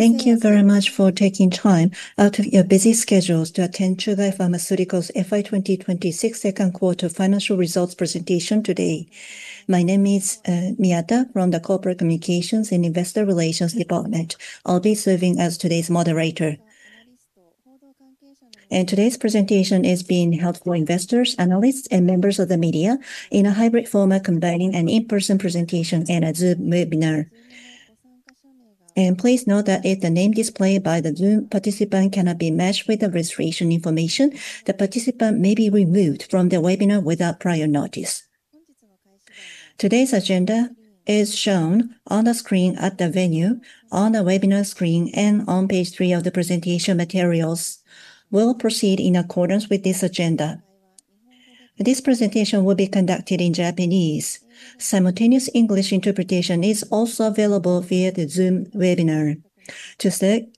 Thank you very much for taking time out of your busy schedules to attend Chugai Pharmaceutical's FY 2026 second quarter financial results presentation today. My name is Miyata from the Corporate Communications and Investor Relations Department. I will be serving as today's moderator. Today's presentation is being held for investors, analysts, and members of the media in a hybrid format combining an in-person presentation and a Zoom webinar. Please note that if the name displayed by the Zoom participant cannot be matched with the registration information, the participant may be removed from the webinar without prior notice. Today's agenda is shown on the screen at the venue, on the webinar screen, and on page three of the presentation materials. We will proceed in accordance with this agenda. This presentation will be conducted in Japanese. Simultaneous English interpretation is also available via the Zoom webinar. To select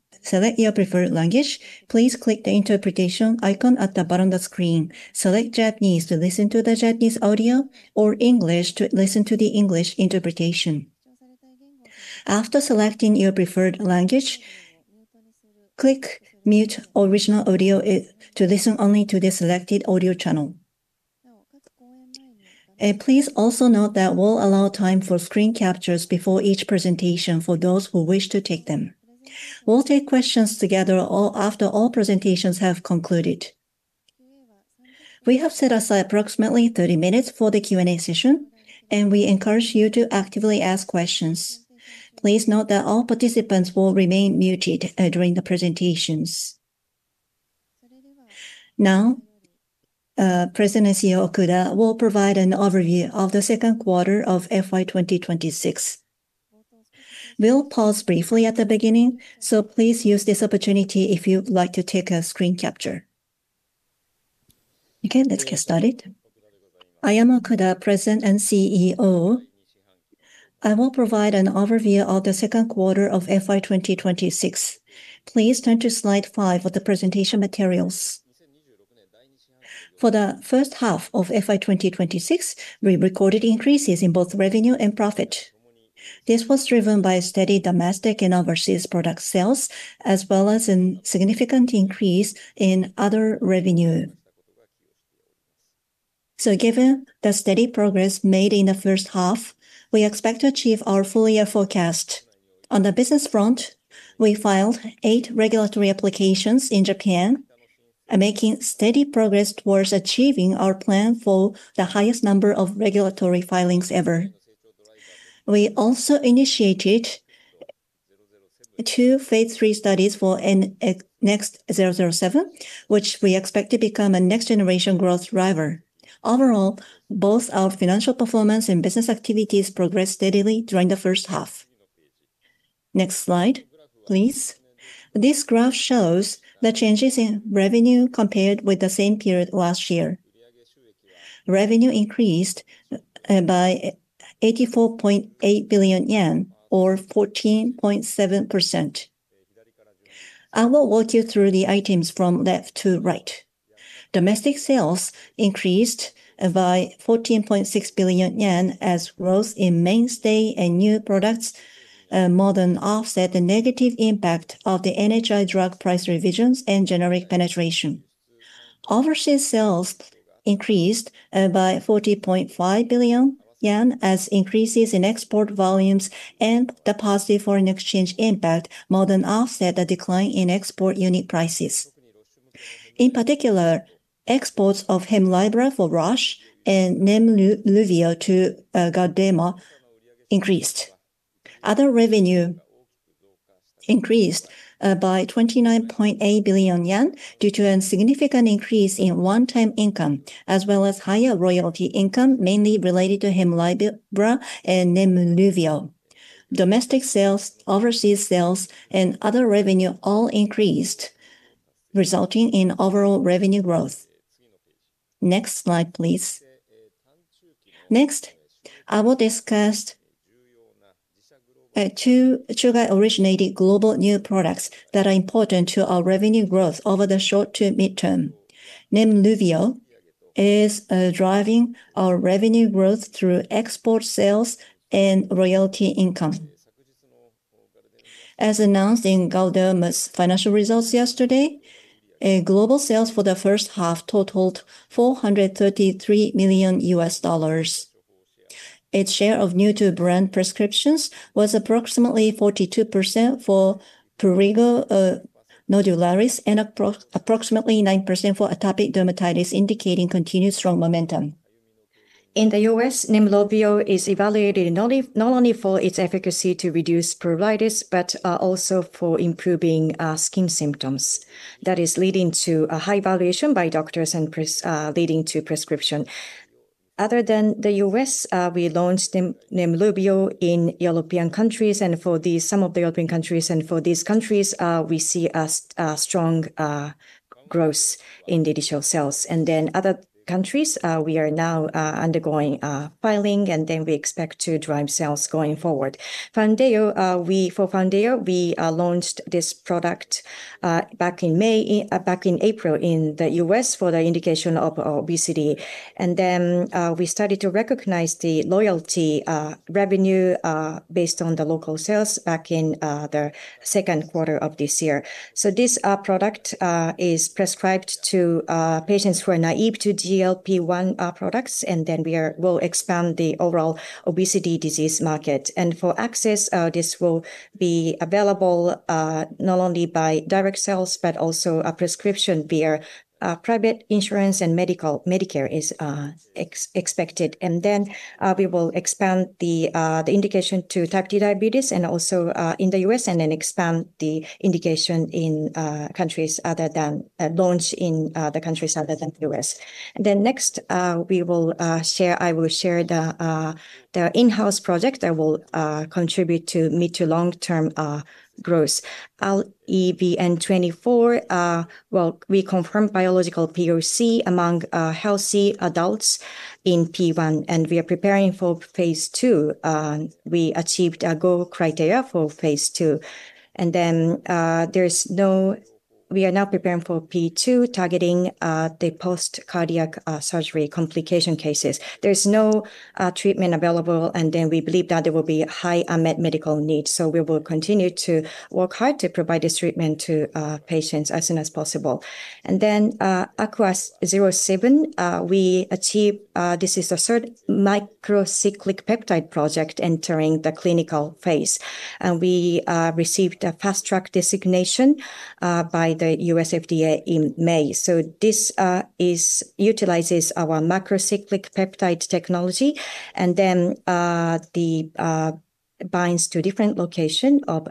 your preferred language, please click the interpretation icon at the bottom of the screen. Select Japanese to listen to the Japanese audio or English to listen to the English interpretation. After selecting your preferred language, click Mute Original Audio to listen only to the selected audio channel. Please also note that we will allow time for screen captures before each presentation for those who wish to take them. We will take questions together after all presentations have concluded. We have set aside approximately 30 minutes for the Q&A session, and we encourage you to actively ask questions. Please note that all participants will remain muted during the presentations. Now, President and CEO Okuda will provide an overview of the second quarter of FY 2026. We will pause briefly at the beginning, so please use this opportunity if you would like to take a screen capture. Okay, let's get started. I am Okuda, President and CEO. I will provide an overview of the second quarter of FY 2026. Please turn to slide five of the presentation materials. For the first half of FY 2026, we recorded increases in both revenue and profit. This was driven by steady domestic and overseas product sales, as well as a significant increase in other revenue. Given the steady progress made in the first half, we expect to achieve our full year forecast. On the business front, we filed eight regulatory applications in Japan, making steady progress towards achieving our plan for the highest number of regulatory filings ever. We also initiated two phase III studies for NXT007, which we expect to become a next generation growth driver. Overall, both our financial performance and business activities progressed steadily during the first half. Next slide, please. This graph shows the changes in revenue compared with the same period last year. Revenue increased by 84.8 billion yen, or 14.7%. I will walk you through the items from left to right. Domestic sales increased by 14.6 billion yen as growth in mainstay and new products more than offset the negative impact of the NHI drug price revisions and generic penetration. Overseas sales increased by 40.5 billion yen as increases in export volumes and the positive foreign exchange impact more than offset a decline in export unit prices. In particular, exports of Hemlibra for Roche and NEMLUVIO to Galderma increased. Other revenue increased by 29.8 billion yen due to a significant increase in one-time income, as well as higher royalty income, mainly related to Hemlibra and NEMLUVIO. Domestic sales, overseas sales, and other revenue all increased, resulting in overall revenue growth. Next slide, please. Next, I will discuss two Chugai originated global new products that are important to our revenue growth over the short to midterm. NEMLUVIO is driving our revenue growth through export sales and royalty income. As announced in Galderma's financial results yesterday, global sales for the first half totaled $433 million. Its share of new-to-brand prescriptions was approximately 42% for prurigo nodularis and approximately 9% for atopic dermatitis, indicating continued strong momentum. In the U.S., NEMLUVIO is evaluated not only for its efficacy to reduce pruritus, but also for improving skin symptoms. That is leading to a high valuation by doctors and leading to prescription. Other than the U.S., we launched NEMLUVIO in European countries, and for some of the open countries and for these countries we see strong growth in the digital sales Other countries, we are now undergoing filing, and we expect to drive sales going forward. For Foundayo, we launched this product back in April in the U.S. for the indication of obesity. We started to recognize the royalty revenue based on the local sales back in the second quarter of this year. This product is prescribed to patients who are naive to GLP-1 products, and we will expand the overall obesity disease market. For access, this will be available not only by direct sales, but also a prescription via private insurance and Medicare is expected. We will expand the indication to type 2 diabetes and also in the U.S. and expand the indication in countries other than launch in the countries other than the U.S. Next, I will share the in-house project that will contribute to mid to long-term growth. REVN24, we confirmed biological POC among healthy adults in phase I, and we are preparing for phase II. We achieved our goal criteria for phase II. We are now preparing for phase II, targeting the post-cardiac surgery complication cases. There's no treatment available, and we believe that there will be high unmet medical needs. We will continue to work hard to provide this treatment to patients as soon as possible. AQUA07, this is the third macrocyclic peptide project entering the clinical phase. We received a Fast Track designation by the U.S. FDA in May. This utilizes our macrocyclic peptide technology, and binds to different location of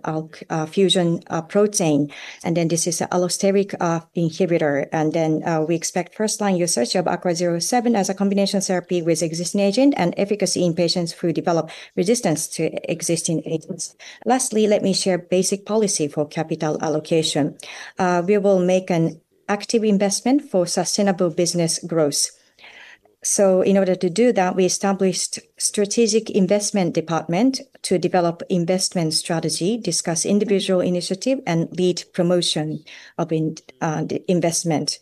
fusion protein. This is allosteric inhibitor. We expect first-line usage of AQUA07 as a combination therapy with existing agent and efficacy in patients who develop resistance to existing agents. Lastly, let me share basic policy for capital allocation. We will make an active investment for sustainable business growth. In order to do that, we established Strategic Investment Department to develop investment strategy, discuss individual initiative, and lead promotion of investment.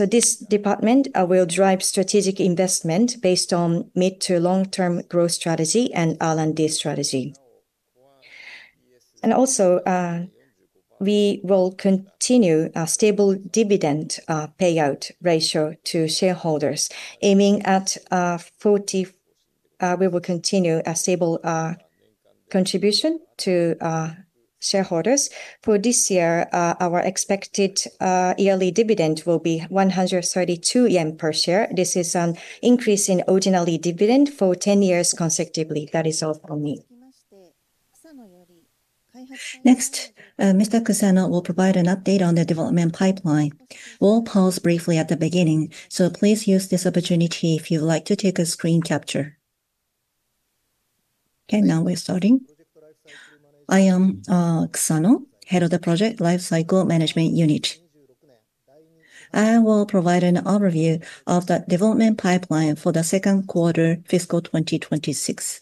This department will drive strategic investment based on mid to long-term growth strategy and R&D strategy. We will continue a stable dividend payout ratio to shareholders, aiming at 40%. We will continue a stable contribution to shareholders. For this year, our expected yearly dividend will be 132 yen per share. This is an increase in originally dividend for 10 years consecutively. That is all for me. Mr. Kusano will provide an update on the development pipeline. We'll pause briefly at the beginning, please use this opportunity if you'd like to take a screen capture. Now we are starting. I am Kusano, Head of the Project & Lifecycle Management Unit. I will provide an overview of the development pipeline for the second quarter FY 2026.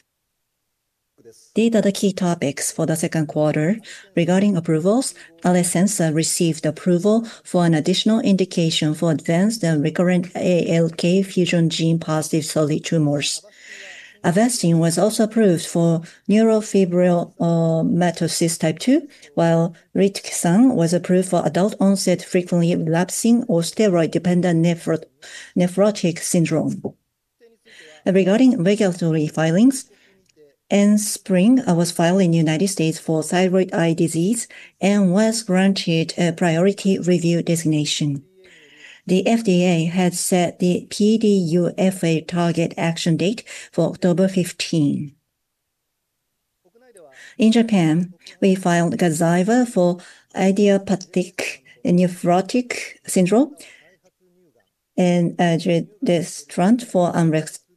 These are the key topics for the second quarter. Regarding approvals, Alecensa received approval for an additional indication for advanced and recurrent ALK-fusion gene-positive solid tumors. Avastin was also approved for neurofibromatosis type 2, while Rituxan was approved for adult-onset frequently relapsing or steroid-dependent nephrotic syndrome. Regarding regulatory filings, Enspryng was filed in the U.S. for thyroid eye disease and was granted a priority review designation. The FDA has set the PDUFA target action date for October 15. In Japan, we filed Gazyva for idiopathic nephrotic syndrome and Perjeta for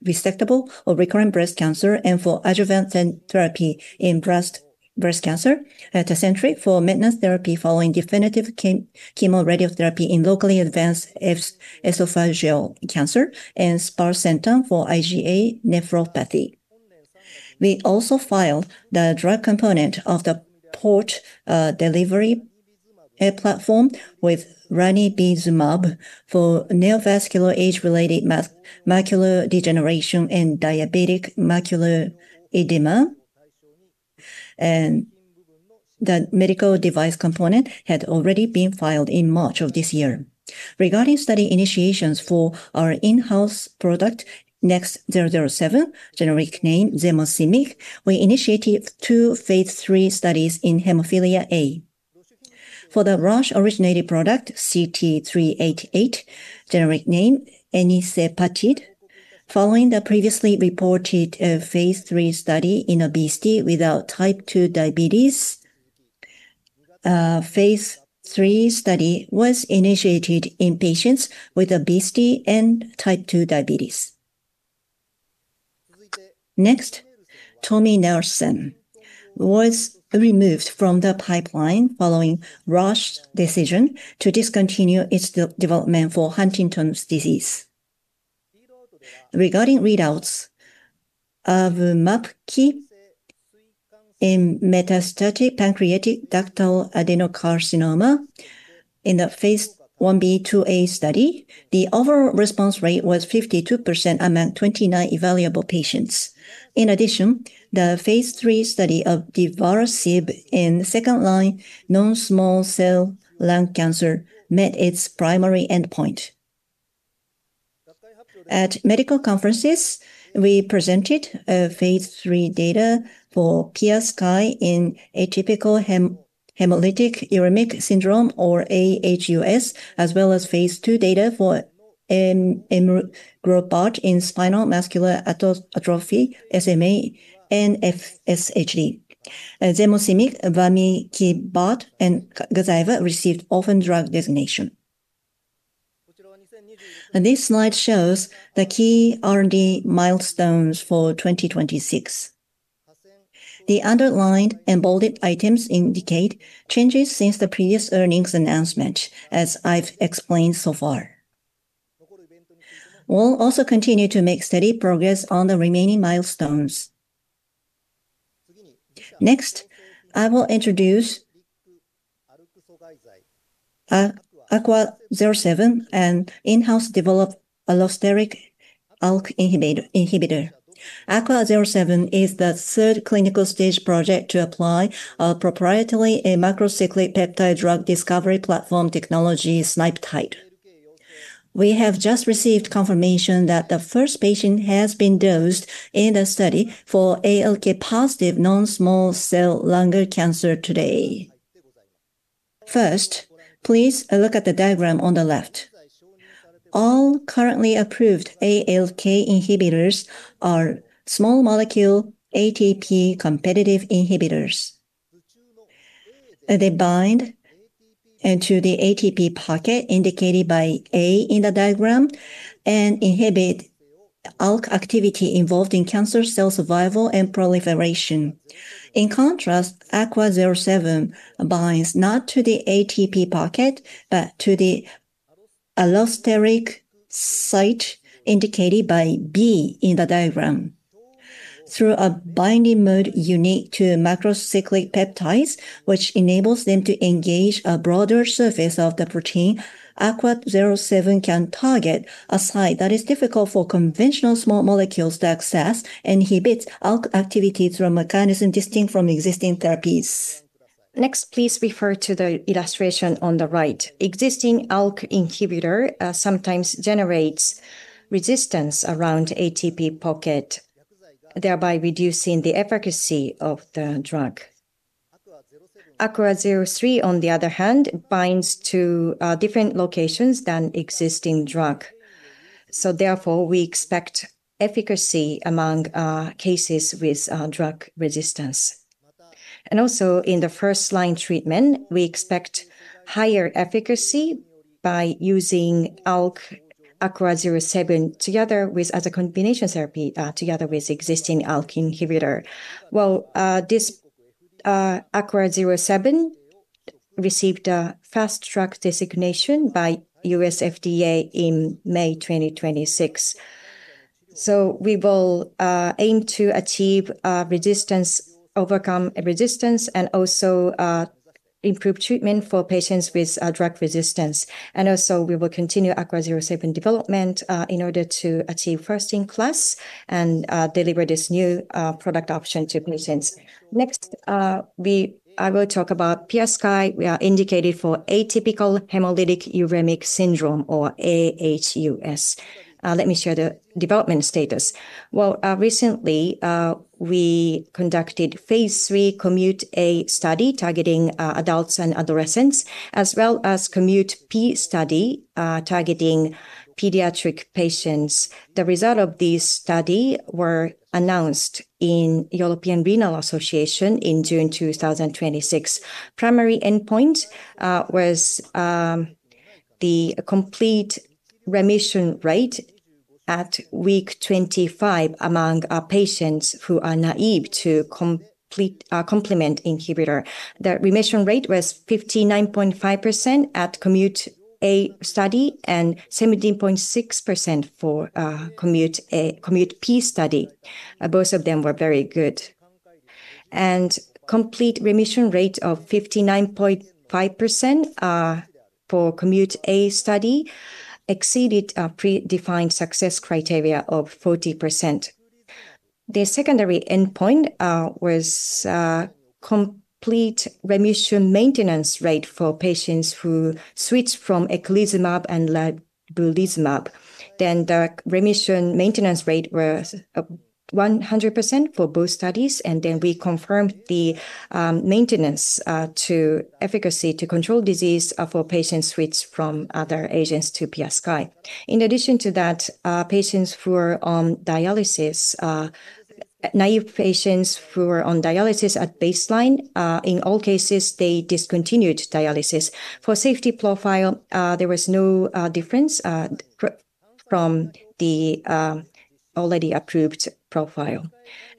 unresectable or recurrent breast cancer and for adjuvant therapy in breast cancer. Tecentriq for maintenance therapy following definitive chemoradiotherapy in locally advanced esophageal cancer, and sparsentan for IgA nephropathy. We also filed the drug component of the Port Delivery System with ranibizumab for neovascular age-related macular degeneration and diabetic macular edema. The medical device component had already been filed in March of this year. Regarding study initiations for our in-house product, NXT007, generic name zemosenik, we initiated two phase III studies in hemophilia A. For the Roche-originated product, CT-388, generic name enicepatide, following the previously reported phase III study in obesity without type 2 diabetes, phase III study was initiated in patients with obesity and type 2 diabetes. Next, tominersen was removed from the pipeline following a rushed decision to discontinue its development for Huntington's disease. Regarding readouts of AVMAPKI in metastatic pancreatic ductal adenocarcinoma in the phase I-B/II-A study, the overall response rate was 52% among 29 evaluable patients. In addition, the phase III study of divarasib in second-line non-small cell lung cancer met its primary endpoint. At medical conferences, we presented phase III data for PiaSky in atypical hemolytic uremic syndrome, or AHUS, as well as phase II data for emugrobart in spinal muscular atrophy, SMA, and FSHD. zemosenik, vamikibart, and Gazyva received orphan drug designation. This slide shows the key R&D milestones for 2026. The underlined and bolded items indicate changes since the previous earnings announcement, as I've explained so far. We'll also continue to make steady progress on the remaining milestones. I will introduce AQUA07, an in-house developed allosteric ALK inhibitor. AQUA07 is the third clinical stage project to apply our proprietary macrocyclic peptide drug discovery platform technology, SnipeTide. We have just received confirmation that the first patient has been dosed in the study for ALK-positive non-small cell lung cancer today. Please look at the diagram on the left. All currently approved ALK inhibitors are small molecule ATP competitive inhibitors. They bind into the ATP pocket indicated by A in the diagram and inhibit ALK activity involved in cancer cell survival and proliferation. AQUA07 binds not to the ATP pocket, but to the allosteric site indicated by B in the diagram. Through a binding mode unique to macrocyclic peptides, which enables them to engage a broader surface of the protein, AQUA07 can target a site that is difficult for conventional small molecules to access, inhibits ALK activity through a mechanism distinct from existing therapies. Please refer to the illustration on the right. Existing ALK inhibitor sometimes generates resistance around ATP pocket, thereby reducing the efficacy of the drug. AQUA07, on the other hand, binds to different locations than existing drug. Therefore, we expect efficacy among cases with drug resistance. Also in the first-line treatment, we expect higher efficacy by using AQUA07 as a combination therapy together with existing ALK inhibitor. Well, this AQUA07 received a Fast Track designation by U.S. FDA in May 2026. We will aim to overcome resistance and also improve treatment for patients with drug resistance. Also we will continue AQUA07 development in order to achieve first in class and deliver this new product option to patients. Next, I will talk about PiaSky. We are indicated for atypical hemolytic uremic syndrome, or aHUS. Let me share the development status. Well, recently, we conducted phase III COMMUTE-A study targeting adults and adolescents, as well as COMMUTE-P study targeting pediatric patients. The result of this study were announced in European Renal Association in June 2026. Primary endpoint was the complete remission rate at week 25 among patients who are naive to complement inhibitor. The remission rate was 59.5% at COMMUTE-A study and 17.6% for COMMUTE-P study. Both of them were very good. Complete remission rate of 59.5% for COMMUTE-A study exceeded our predefined success criteria of 40%. Secondary endpoint was complete remission maintenance rate for patients who switched from eculizumab and ravulizumab. The remission maintenance rate was 100% for both studies, and then we confirmed the maintenance to efficacy to control disease for patients switched from other agents to PiaSky. In addition to that, naive patients who were on dialysis at baseline, in all cases they discontinued dialysis. For safety profile, there was no difference from the already approved profile.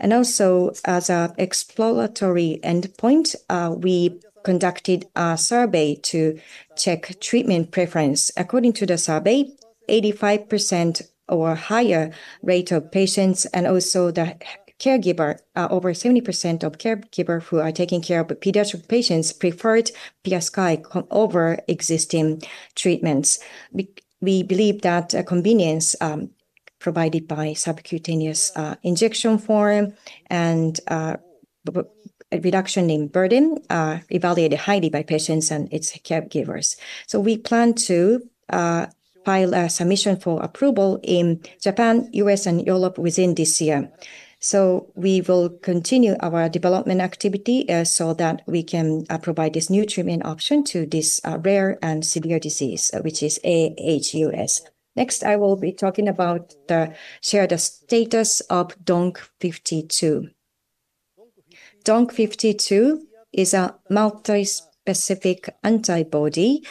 Also, as an exploratory endpoint, we conducted a survey to check treatment preference. According to the survey, 85% or higher rate of patients and also the caregiver, over 70% of caregiver who are taking care of pediatric patients preferred PiaSky over existing treatments. We believe that convenience provided by subcutaneous injection form and a reduction in burden are evaluated highly by patients and its caregivers. We plan to file a submission for approval in Japan, U.S., and Europe within this year. We will continue our development activity so that we can provide this new treatment option to this rare and severe disease, which is aHUS. Next, I will be talking about the shared status of DONQ52. DONQ52 is a multispecific antibody,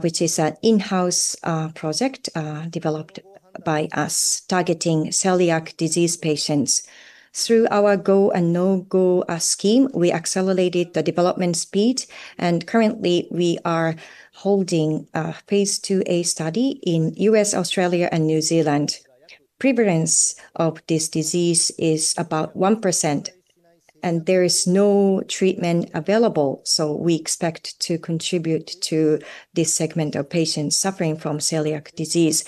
which is an in-house project developed by us targeting celiac disease patients. Through our go and no-go scheme, we accelerated the development speed. Currently, we are holding a phase II-A study in U.S., Australia, and New Zealand. Prevalence of this disease is about 1%, and there is no treatment available, so we expect to contribute to this segment of patients suffering from celiac disease.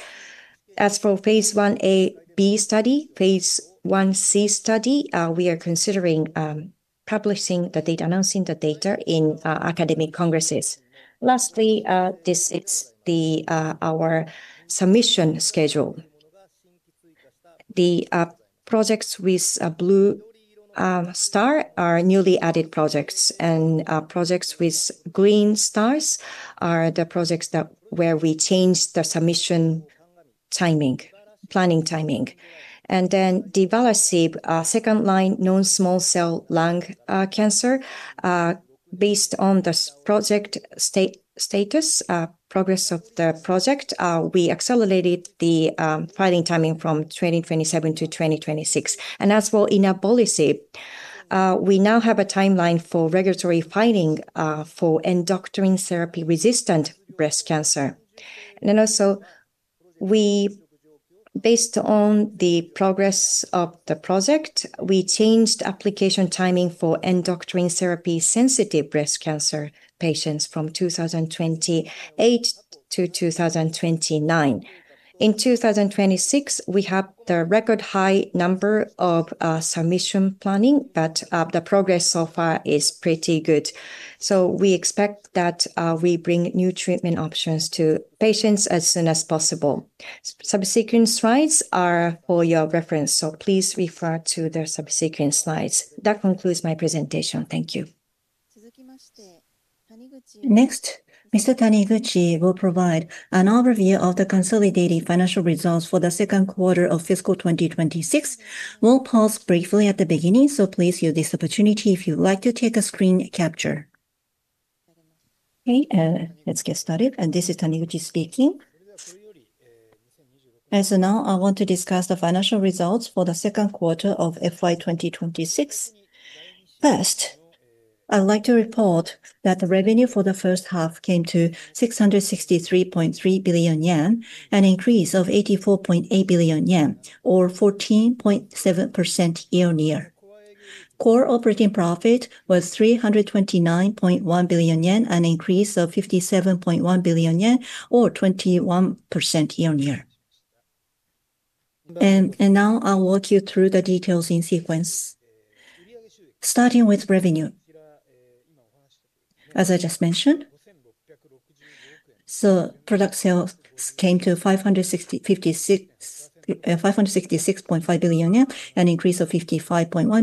As for phase I-A/B study, phase I-C study, we are considering publishing the data, announcing the data in academic congresses. Lastly, this is our submission schedule. The projects with a blue star are newly added projects, and projects with green stars are the projects where we changed the submission timing, planning timing. Divarasib, second-line non-small cell lung cancer. Based on this project status, progress of the project, we accelerated the filing timing from 2027 to 2026. As well inavolisib, we now have a timeline for regulatory filing for endocrine therapy-resistant breast cancer. Also, based on the progress of the project, we changed application timing for endocrine therapy-sensitive breast cancer patients from 2028-2029. In 2026, we have the record high number of submission planning, but the progress so far is pretty good. We expect that we bring new treatment options to patients as soon as possible. Subsequent slides are for your reference, so please refer to the subsequent slides. That concludes my presentation. Thank you. Next, Mr. Taniguchi will provide an overview of the consolidated financial results for the second quarter of FY 2026. We'll pause briefly at the beginning, so please use this opportunity if you'd like to take a screen capture. Okay, let's get started. This is Taniguchi speaking. Now I want to discuss the financial results for the second quarter of FY 2026. First, I would like to report that the revenue for the first half came to 663.3 billion yen, an increase of 84.8 billion yen, or 14.7% year-on-year. Core operating profit was 329.1 billion yen, an increase of 57.1 billion yen, or 21% year-on-year. Now I'll walk you through the details in sequence. Starting with revenue, as I just mentioned. Product sales came to 566.5 billion yen, an increase of 55.1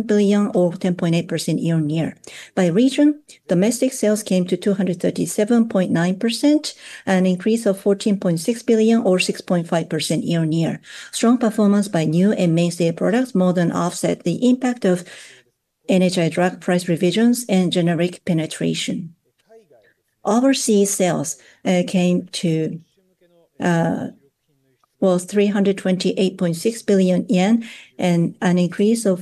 billion, or 10.8% year-on-year. By region, domestic sales came to 237.9 billion, an increase of 14.6 billion, or 6.5% year-on-year. Strong performance by new and mainstay products more than offset the impact of NHI drug price revisions and generic penetration. Overseas sales came to 328.6 billion yen, an increase of 40.5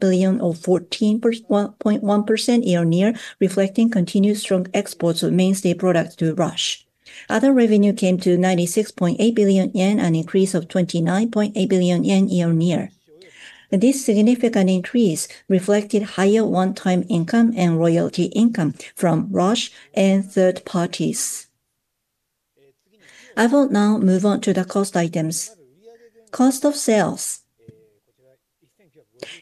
billion, or 14.1% year-on-year, reflecting continued strong exports of mainstay products to Roche. Other revenue came to 96.8 billion yen, an increase of 29.8 billion yen year-on-year. This significant increase reflected higher one-time income and royalty income from Roche and third parties. I will now move on to the cost items. Cost of sales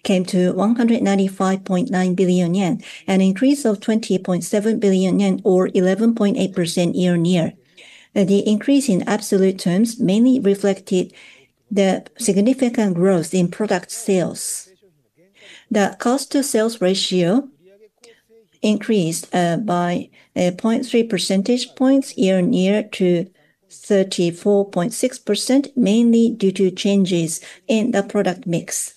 came to 195.9 billion yen, an increase of 20.7 billion yen, or 11.8% year-on-year. The increase in absolute terms mainly reflected the significant growth in product sales. The cost to sales ratio increased by 0.3 percentage points year-on-year to 34.6%, mainly due to changes in the product mix.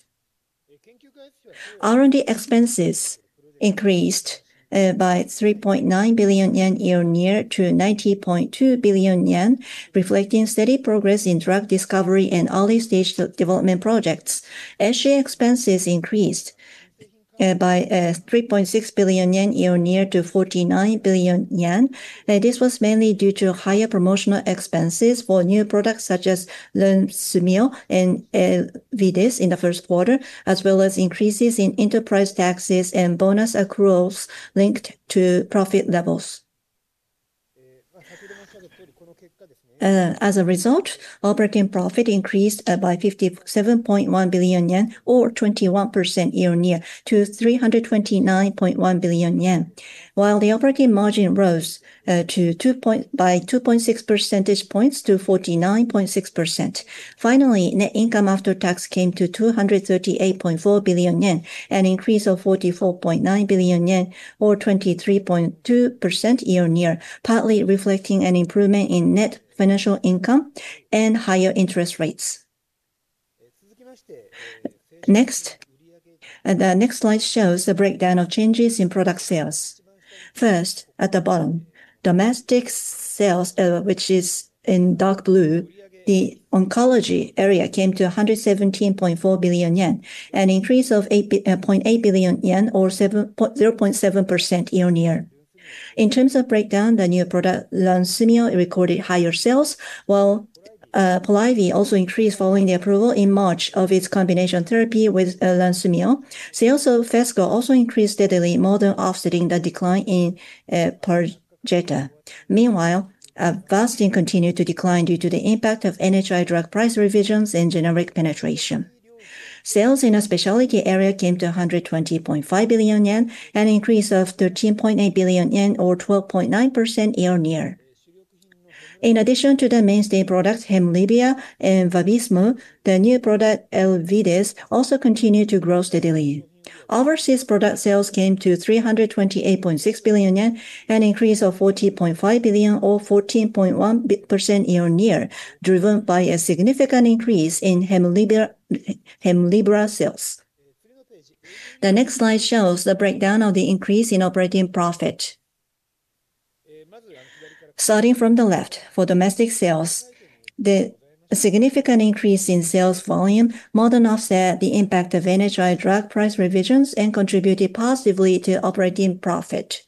R&D expenses increased by 3.9 billion yen year-on-year to 90.2 billion yen, reflecting steady progress in drug discovery and early-stage development projects. SG expenses increased by 3.6 billion yen year-on-year to 49 billion yen. This was mainly due to higher promotional expenses for new products such as Lenvima and ELEVIDYS in the first quarter, as well as increases in enterprise taxes and bonus accruals linked to profit levels. As a result, operating profit increased by 57.1 billion yen, or 21% year-on-year, to 329.1 billion yen, while the operating margin rose by 2.6 percentage points to 49.6%. Finally, net income after tax came to 238.4 billion yen, an increase of 44.9 billion yen or 23.2% year-on-year, partly reflecting an improvement in net financial income and higher interest rates. The next slide shows the breakdown of changes in product sales. First, at the bottom, domestic sales, which is in dark blue, the oncology area came to 117.4 billion yen, an increase of 0.8 billion yen or 0.7% year-over-year. In terms of breakdown, the new product, Lenvrimab, recorded higher sales, while plerixafor also increased following the approval in March of its combination therapy with Lenvrimab. Sales of Phesgo also increased steadily, more than offsetting the decline in pralsetinib. Meanwhile, Avastin continued to decline due to the impact of NHI drug price revisions and generic penetration. Sales in a specialty area came to 120.5 billion yen, an increase of 13.8 billion yen or 12.9% year-on-year. In addition to the mainstay products Hemlibra and Vabysmo, the new product ELEVIDYS also continued to grow steadily. Overseas product sales came to 328.6 billion yen, an increase of 40.5 billion or 14.1% year-on-year, driven by a significant increase in Hemlibra sales. The next slide shows the breakdown of the increase in operating profit. Starting from the left, for domestic sales, the significant increase in sales volume more than offset the impact of NHI drug price revisions and contributed positively to operating profit.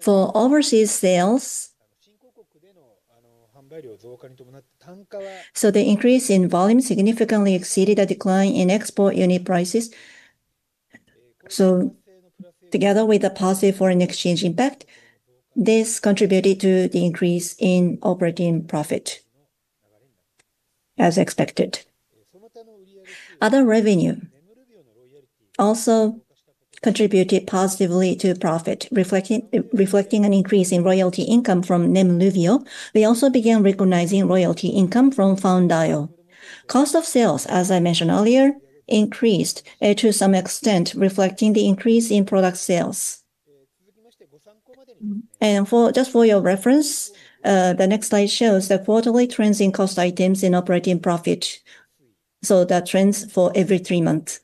For overseas sales, the increase in volume significantly exceeded a decline in export unit prices. Together with the positive foreign exchange impact, this contributed to the increase in operating profit as expected. Other revenue also contributed positively to profit, reflecting an increase in royalty income from NEMLUVIO. We also began recognizing royalty income from Foundayo. Cost of sales, as I mentioned earlier, increased to some extent, reflecting the increase in product sales. Just for your reference, the next slide shows the quarterly trends in cost items in operating profit. The trends for every three months.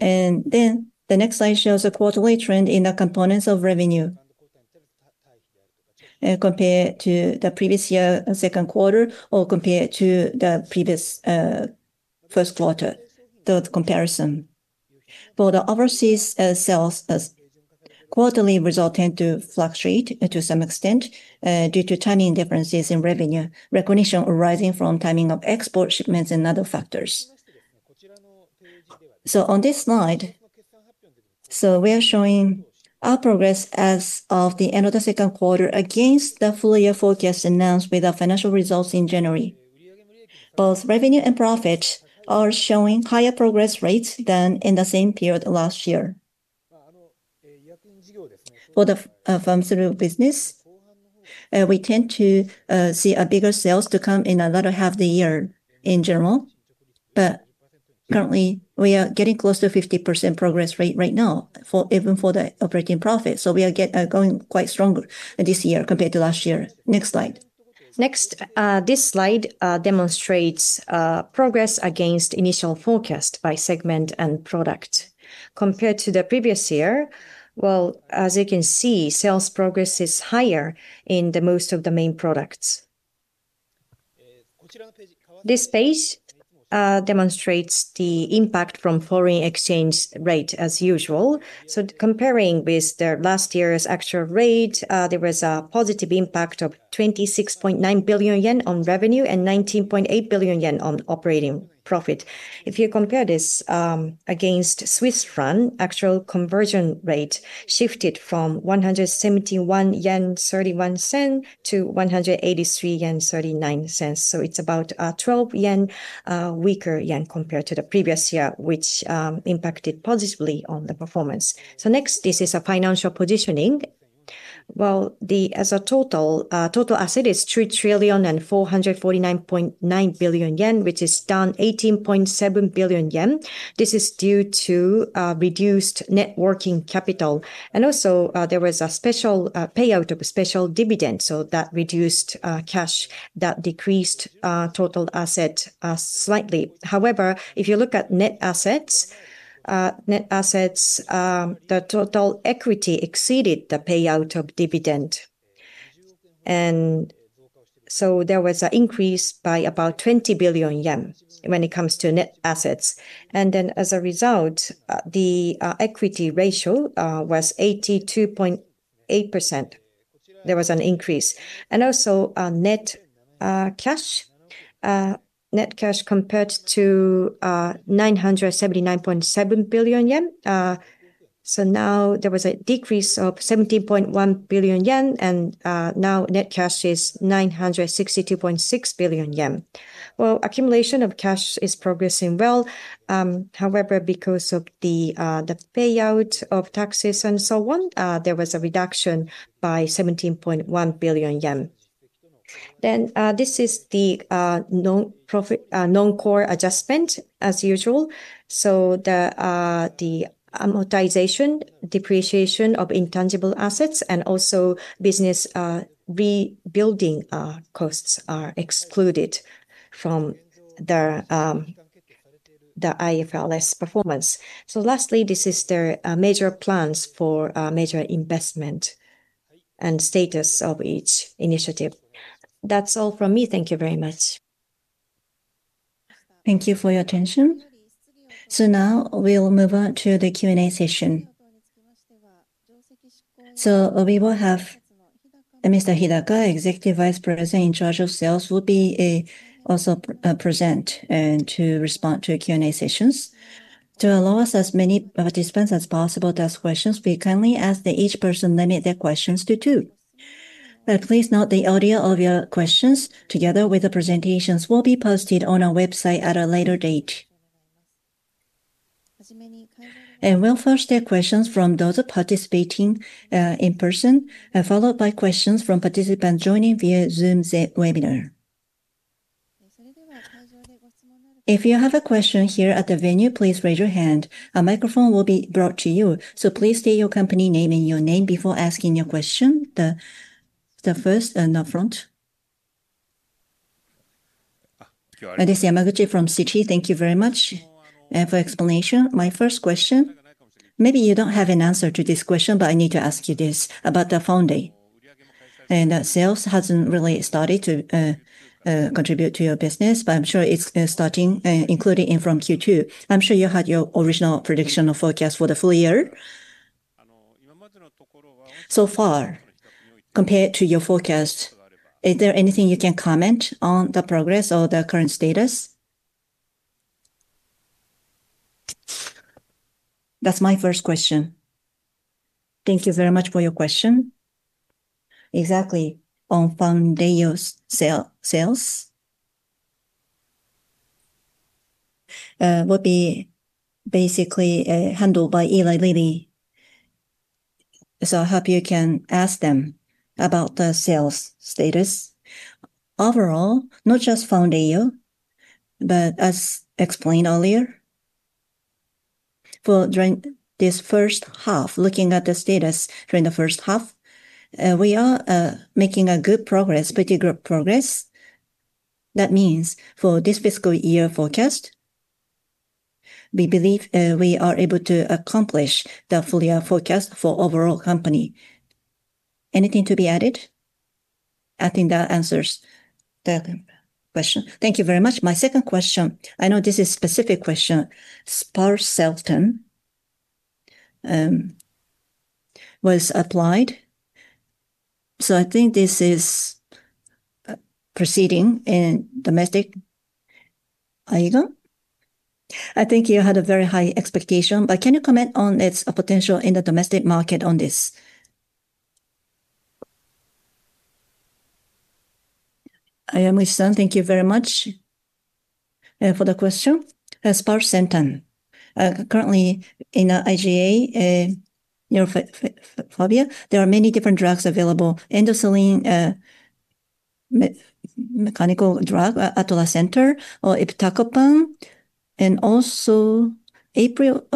The next slide shows a quarterly trend in the components of revenue compared to the previous year second quarter or compared to the previous first quarter. For the overseas sales, quarterly results tend to fluctuate to some extent, due to timing differences in revenue recognition arising from timing of export shipments and other factors. On this slide, we are showing our progress as of the end of the second quarter against the full-year forecast announced with our financial results in January. Both revenue and profit are showing higher progress rates than in the same period last year. For the pharmaceutical business, we tend to see bigger sales to come in the latter half of the year in general, but currently we are getting close to 50% progress rate right now, even for the operating profit. We are going quite strong this year compared to last year. Next slide. This slide demonstrates progress against initial forecast by segment and product. Compared to the previous year, well, as you can see, sales progress is higher in most of the main products. This page demonstrates the impact from foreign exchange rate as usual. Comparing with last year's actual rate, there was a positive impact of 26.9 billion yen on revenue and 19.8 billion yen on operating profit. If you compare this against Swiss Franc, actual conversion rate shifted from 171.31-183.39 yen. It's about 12 yen weaker compared to the previous year, which impacted positively on the performance. Next, this is financial positioning. Well, as a total asset is 3 trillion 449.9 billion, which is down 18.7 billion yen. This is due to reduced net working capital, and also there was a special payout of a special dividend. That reduced cash, that decreased total asset slightly. However, if you look at net assets, the total equity exceeded the payout of dividend. There was an increase by about 20 billion yen when it comes to net assets. As a result, the equity ratio was 82.8%. There was an increase. Net cash compared to 979.7 billion yen. Now there was a decrease of 17.1 billion yen and now net cash is 962.6 billion yen. Well, accumulation of cash is progressing well. However, because of the payout of taxes and so on, there was a reduction by 17.1 billion yen. This is the non-core adjustment as usual. The amortization, depreciation of intangible assets, and also business rebuilding costs are excluded from the IFRS performance. Lastly, this is the major plans for major investment and status of each initiative. That's all from me. Thank you very much. Thank you for your attention. Now we'll move on to the Q&A session. We will have Mr. Hidaka, Executive Vice President in charge of sales, will be also present and to respond to Q&A sessions. To allow as many participants as possible to ask questions, we kindly ask that each person limit their questions to two. Please note the audio of your questions, together with the presentations, will be posted on our website at a later date. We'll first take questions from those participating in person, followed by questions from participants joining via Zoom webinar. If you have a question here at the venue, please raise your hand. A microphone will be brought to you. Please state your company name and your name before asking your question. The first in the front. This is Hidemaru from Citigroup. Thank you very much for explanation. My first question, maybe you don't have an answer to this question, but I need to ask you this about Foundayo. Sales hasn't really started to contribute to your business, but I'm sure it's starting, including from Q2. I'm sure you had your original prediction or forecast for the full year. Far, compared to your forecast, is there anything you can comment on the progress or the current status? That's my first question. Thank you very much for your question. Exactly, Foundayo sales will be basically handled by Eli Lilly. I hope you can ask them about the sales status. Overall, not just Foundayo, but as explained earlier, during this first half, looking at the status during the first half, we are making a good progress, particular progress. That means for this fiscal year forecast, we believe we are able to accomplish the full year forecast for overall company. Anything to be added? I think that answers the question. Thank you very much. My second question, I know this is specific question. sparsentan was applied, I think this is proceeding in domestic. I think you had a very high expectation, can you comment on its potential in the domestic market on this? Thank you very much for the question. sparsentan. Currently in IgA nephropathy, there are many different drugs available, endothelin receptor antagonist, atrasentan, or iptacopan, and also APRIL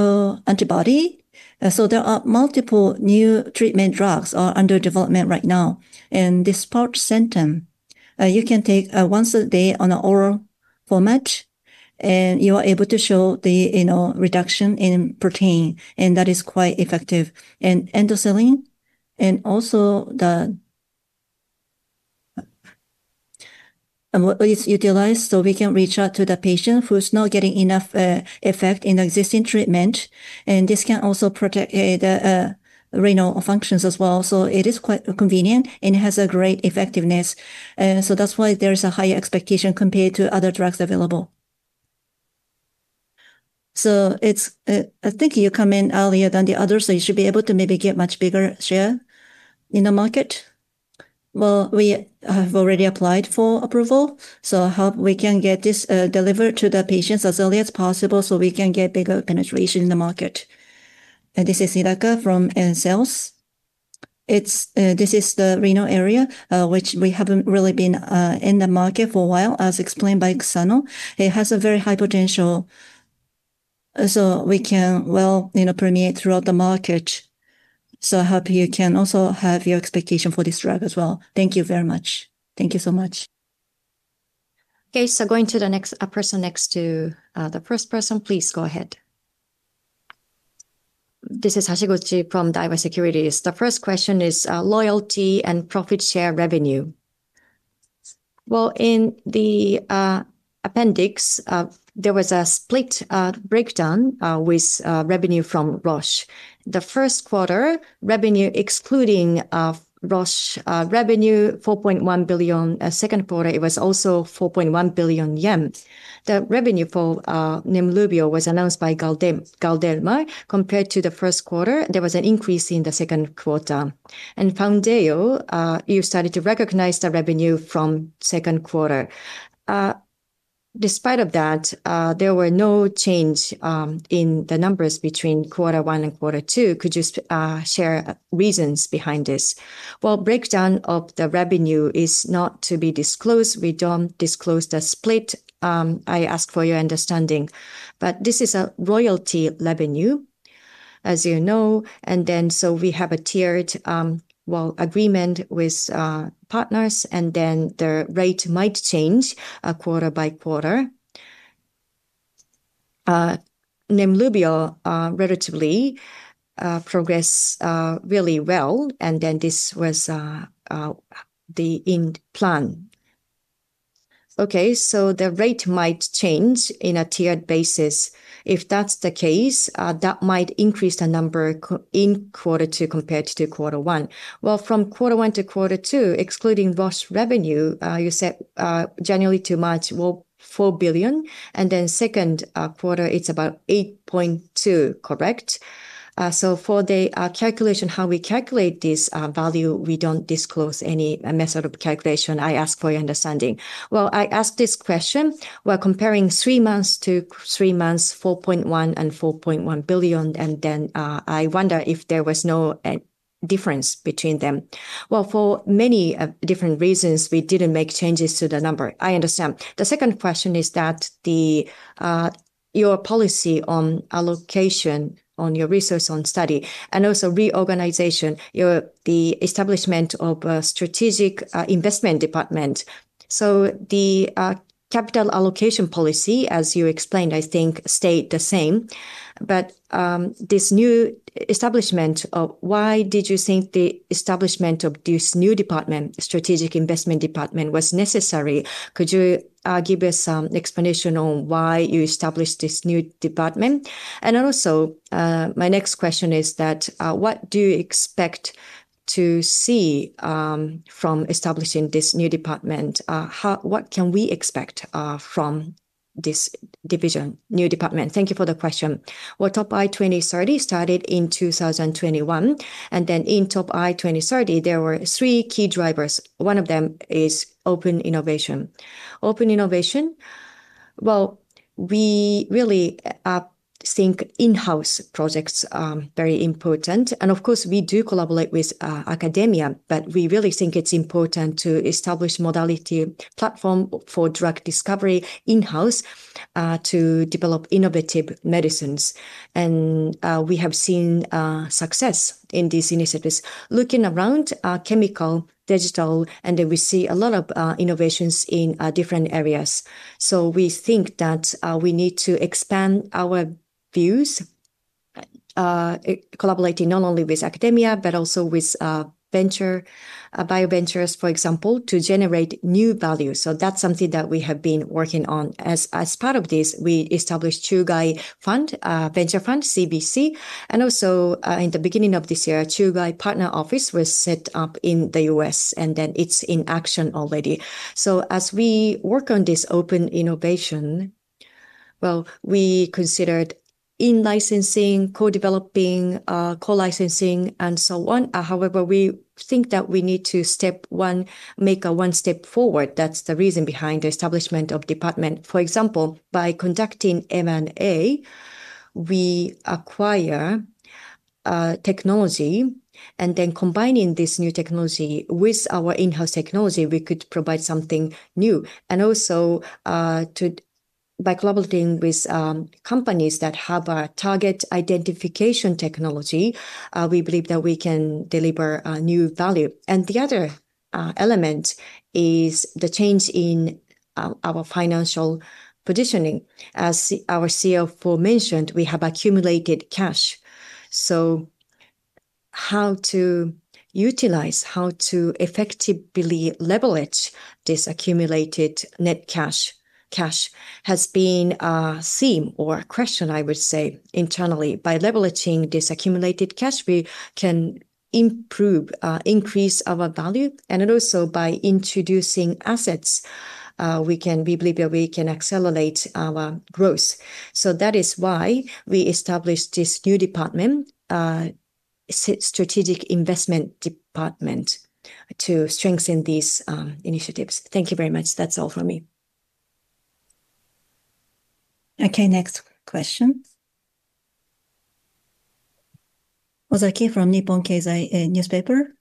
antibody. There are multiple new treatment drugs under development right now. Sparsentan, you can take once a day on an oral format, and you are able to show the renal reduction in protein, and that is quite effective. Endosialin and also it's utilized so we can reach out to the patient who's not getting enough effect in existing treatment, and this can also protect the renal functions as well. It is quite convenient and has a great effectiveness. That's why there is a high expectation compared to other drugs available. I think you come in earlier than the others, you should be able to maybe get much bigger share in the market. We have already applied for approval, so I hope we can get this delivered to the patients as early as possible so we can get bigger penetration in the market. This is Hidaka from sales. This is the renal area, which we haven't really been in the market for a while, as explained by Kusano. It has a very high potential, so we can well permeate throughout the market. I hope you can also have your expectation for this drug as well. Thank you very much. Thank you so much. Okay, going to the next person, next to the first person. Please go ahead. This is Kazuaki from Daiwa Securities. The first question is royalty and profit share revenue. In the appendix, there was a split breakdown with revenue from Roche. The first quarter revenue, excluding Roche revenue, 4.1 billion. Second quarter, it was also 4.1 billion yen. The revenue for NEMLUVIO was announced by Galderma. Compared to the first quarter, there was an increase in the second quarter. Foundayo, you started to recognize the revenue from second quarter. Despite of that, there were no change in the numbers between quarter one and quarter two. Could you share reasons behind this? Breakdown of the revenue is not to be disclosed. We don't disclose the split. I ask for your understanding. This is a royalty revenue, as you know. We have a tiered agreement with partners, and then the rate might change quarter by quarter. NEMLUVIO relatively progress really well, and then this was in plan. Okay. The rate might change in a tiered basis. If that's the case, that might increase the number in quarter two compared to quarter one. From quarter one to quarter two, excluding Roche revenue, you said January to March, 4 billion, and then second quarter it's about 8.2, correct? For the calculation, how we calculate this value, we don't disclose any method of calculation. I ask for your understanding. I ask this question, while comparing three months to three months, 4.1 billion and 4.1 billion, and then I wonder if there was no difference between them. For many different reasons, we didn't make changes to the number. I understand. The second question is that your policy on allocation on your resource, on study, and also reorganization, the establishment of a Strategic Investment Department. The capital allocation policy, as you explained, I think stayed the same. Why did you think the establishment of this new department, Strategic Investment Department, was necessary? Could you give us some explanation on why you established this new department? My next question is that what do you expect to see from establishing this new department? What can we expect from this division, new department? Thank you for the question. TOP I 2030 started in 2021, and then in TOP I 2030, there were three key drivers. One of them is open innovation. Open innovation, we really think in-house projects are very important. Of course, we do collaborate with academia, but we really think it is important to establish modality platform for drug discovery in-house to develop innovative medicines. We have seen success in these initiatives. Looking around chemical, digital, then we see a lot of innovations in different areas. We think that we need to expand our views, collaborating not only with academia, but also with bio ventures, for example, to generate new value. That is something that we have been working on. As part of this, we established Chugai Venture Fund, CVC, and also, in the beginning of this year, Chugai Partnering U.S. Office was set up in the U.S., and it is in action already. As we work on this open innovation, we considered in-licensing, co-developing, co-licensing, and so on. However, we think that we need to make one step forward. That is the reason behind the establishment of department. For example, by conducting M&A, we acquire technology, and combining this new technology with our in-house technology, we could provide something new. Also, by collaborating with companies that have a target identification technology, we believe that we can deliver new value. The other element is the change in our financial positioning. As our CFO mentioned, we have accumulated cash. How to utilize, how to effectively leverage this accumulated net cash has been a theme or a question, I would say, internally. By leveraging this accumulated cash, we can increase our value. Also, by introducing assets, we believe that we can accelerate our growth. That is why we established this new department, Strategic Investment Department, to strengthen these initiatives. Thank you very much. That is all from me. Okay, next question. Ozaki from Nihon Keizai Shimbun.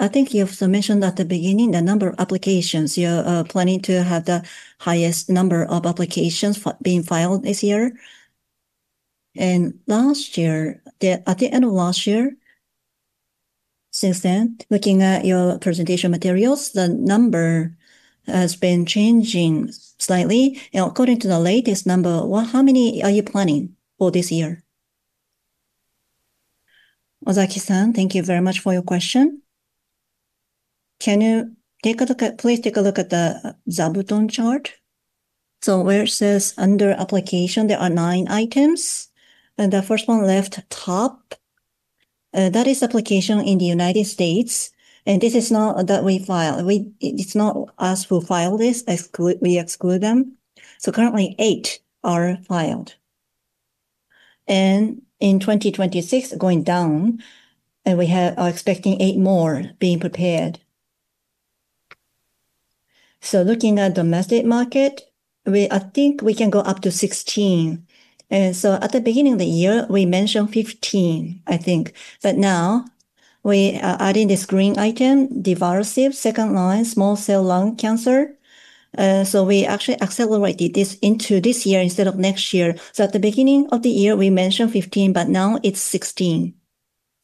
I think you have mentioned at the beginning the number of applications. You are planning to have the highest number of applications being filed this year. At the end of last year, since then, looking at your presentation materials, the number has been changing slightly. According to the latest number, how many are you planning for this year? Ozaki-san, thank you very much for your question. Please take a look at the zabuton chart. Where it says under application, there are nine items, and the first one left top, that is application in the U.S., and this is not that we file. It is not us who file this. We exclude them. Currently eight are filed. In 2026, going down, and we are expecting eight more being prepared. Looking at domestic market, I think we can go up to 16. At the beginning of the year, we mentioned 15, I think. But now we are adding this green item, divarasib, second-line small cell lung cancer. We actually accelerated this into this year instead of next year. At the beginning of the year, we mentioned 15, but now it is 16.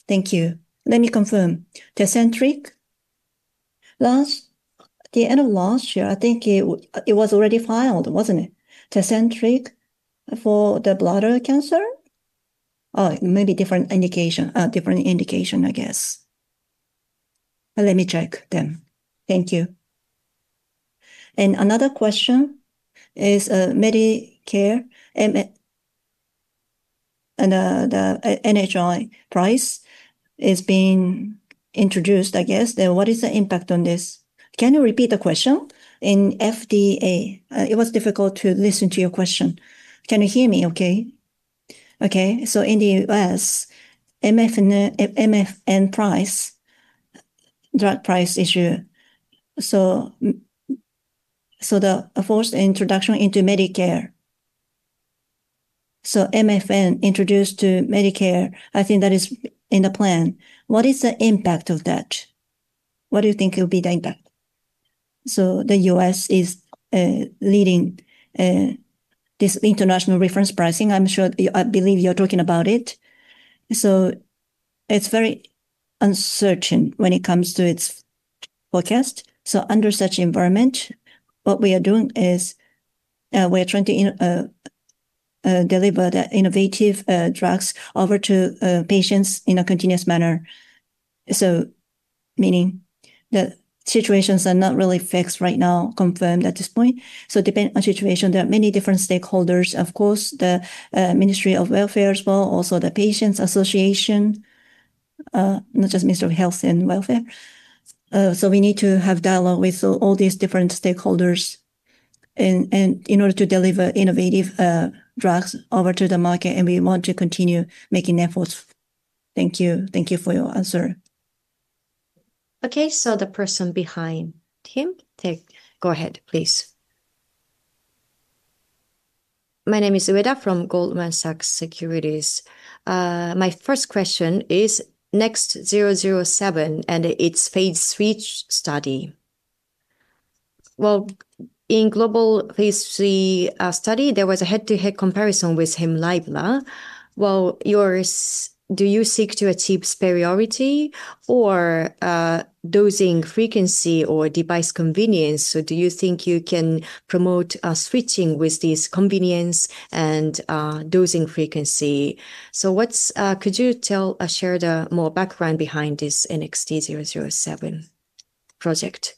Thank you. Let me confirm. Tecentrinq, at the end of last year, I think it was already filed, wasn't it? Tecentriq for the bladder cancer? Oh, maybe different indication, I guess. Let me check then. Thank you. Another question is Medicare and the NHI price is being introduced, I guess. What is the impact on this? Can you repeat the question? In FDA. It was difficult to listen to your question. Can you hear me okay? Okay. In the U.S., MFN price, drug price issue. The forced introduction into Medicare. MFN introduced to Medicare, I think that is in the plan. What is the impact of that? What do you think will be the impact? The U.S. is leading this international reference pricing. I believe you're talking about it. It's very uncertain when it comes to its forecast. Under such environment, what we are doing is we are trying to deliver the innovative drugs over to patients in a continuous manner. Meaning the situations are not really fixed right now, confirmed at this point. Depending on situation, there are many different stakeholders, of course, the Ministry of Health, Labour and Welfare as well, also the Patients Association, not just Ministry of Health, Labour and Welfare. We need to have dialogue with all these different stakeholders in order to deliver innovative drugs over to the market, and we want to continue making efforts. Thank you. Thank you for your answer. The person behind him. Go ahead, please. My name is Ueda from Goldman Sachs Japan Co., Ltd. My first question is NXT007 and its phase III study. Well, in global phase III study, there was a head-to-head comparison with Hemlibra. Do you seek to achieve superiority or dosing frequency or device convenience, or do you think you can promote switching with this convenience and dosing frequency? Could you share the more background behind this NXT007 project?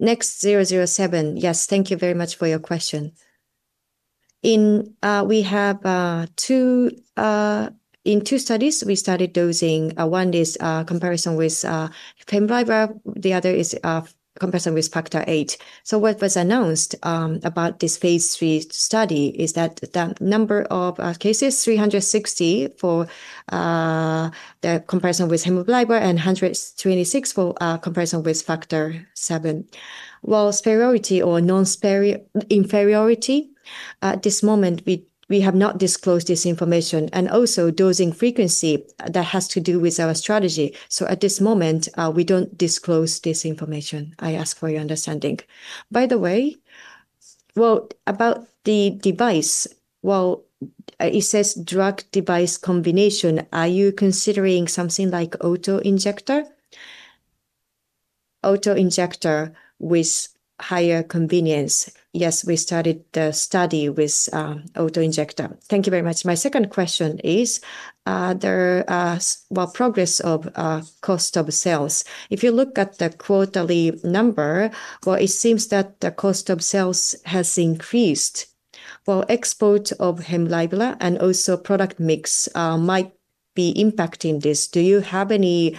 NXT007. Yes, thank you very much for your question. In two studies, we started dosing. One is comparison with Hemlibra, the other is comparison with factor VIII. What was announced about this phase III study is that the number of cases, 360 for the comparison with Hemlibra and 126 for comparison with factor VIII. While superiority or inferiority, at this moment, we have not disclosed this information. Dosing frequency, that has to do with our strategy. At this moment, we don't disclose this information. I ask for your understanding. By the way, about the device. It says drug device combination. Are you considering something like auto-injector? Auto-injector with higher convenience. Yes, we started the study with auto-injector. Thank you very much. My second question is the progress of cost of sales. If you look at the quarterly number, it seems that the cost of sales has increased. Export of Hemlibra and also product mix might be impacting this. Do you have any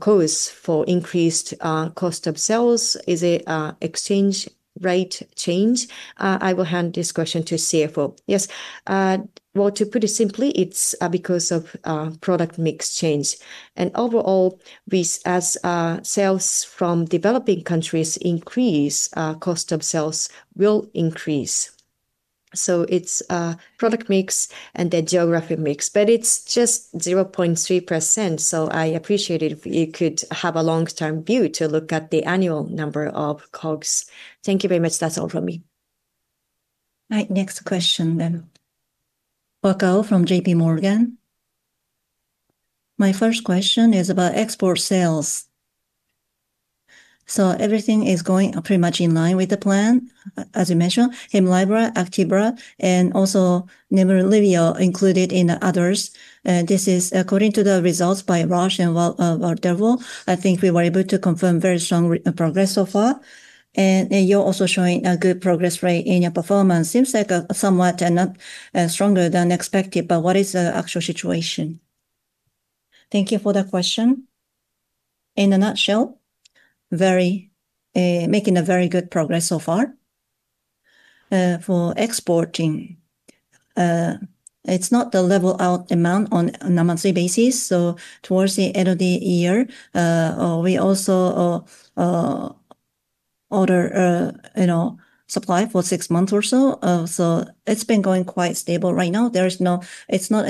cause for increased cost of sales? Is it exchange rate change? I will hand this question to CFO. Yes. To put it simply, it's because of product mix change. Overall, as sales from developing countries increase, cost of sales will increase. It's product mix and the geographic mix, but it's just 0.3%, I appreciate it if you could have a long-term view to look at the annual number of COGS. Thank you very much. That's all from me. All right, next question then. Wako from JPMorgan. My first question is about export sales. Everything is going pretty much in line with the plan, as you mentioned, Hemlibra, Actemra, and also NEMLUVIO included in the others. This is according to the results by Roche and Galderma. I think we were able to confirm very strong progress so far, and you're also showing a good progress rate in your performance. Seems like somewhat stronger than expected, but what is the actual situation? Thank you for the question. In a nutshell, making very good progress so far. For exporting, it's not the level out amount on a monthly basis. Towards the end of the year, we also order supply for six months or so. It's been going quite stable right now. It's not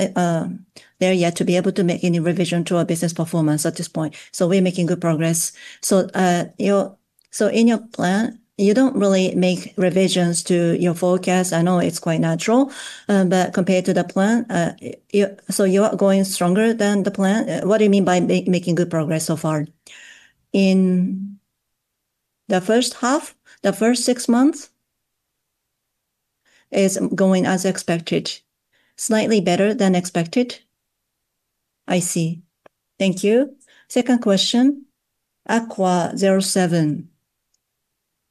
there yet to be able to make any revision to our business performance at this point. We're making good progress. In your plan, you don't really make revisions to your forecast. I know it's quite natural, but compared to the plan, you are going stronger than the plan. What do you mean by making good progress so far? In the first half, the first six months is going as expected. Slightly better than expected? I see. Thank you. Second question. AQUA07.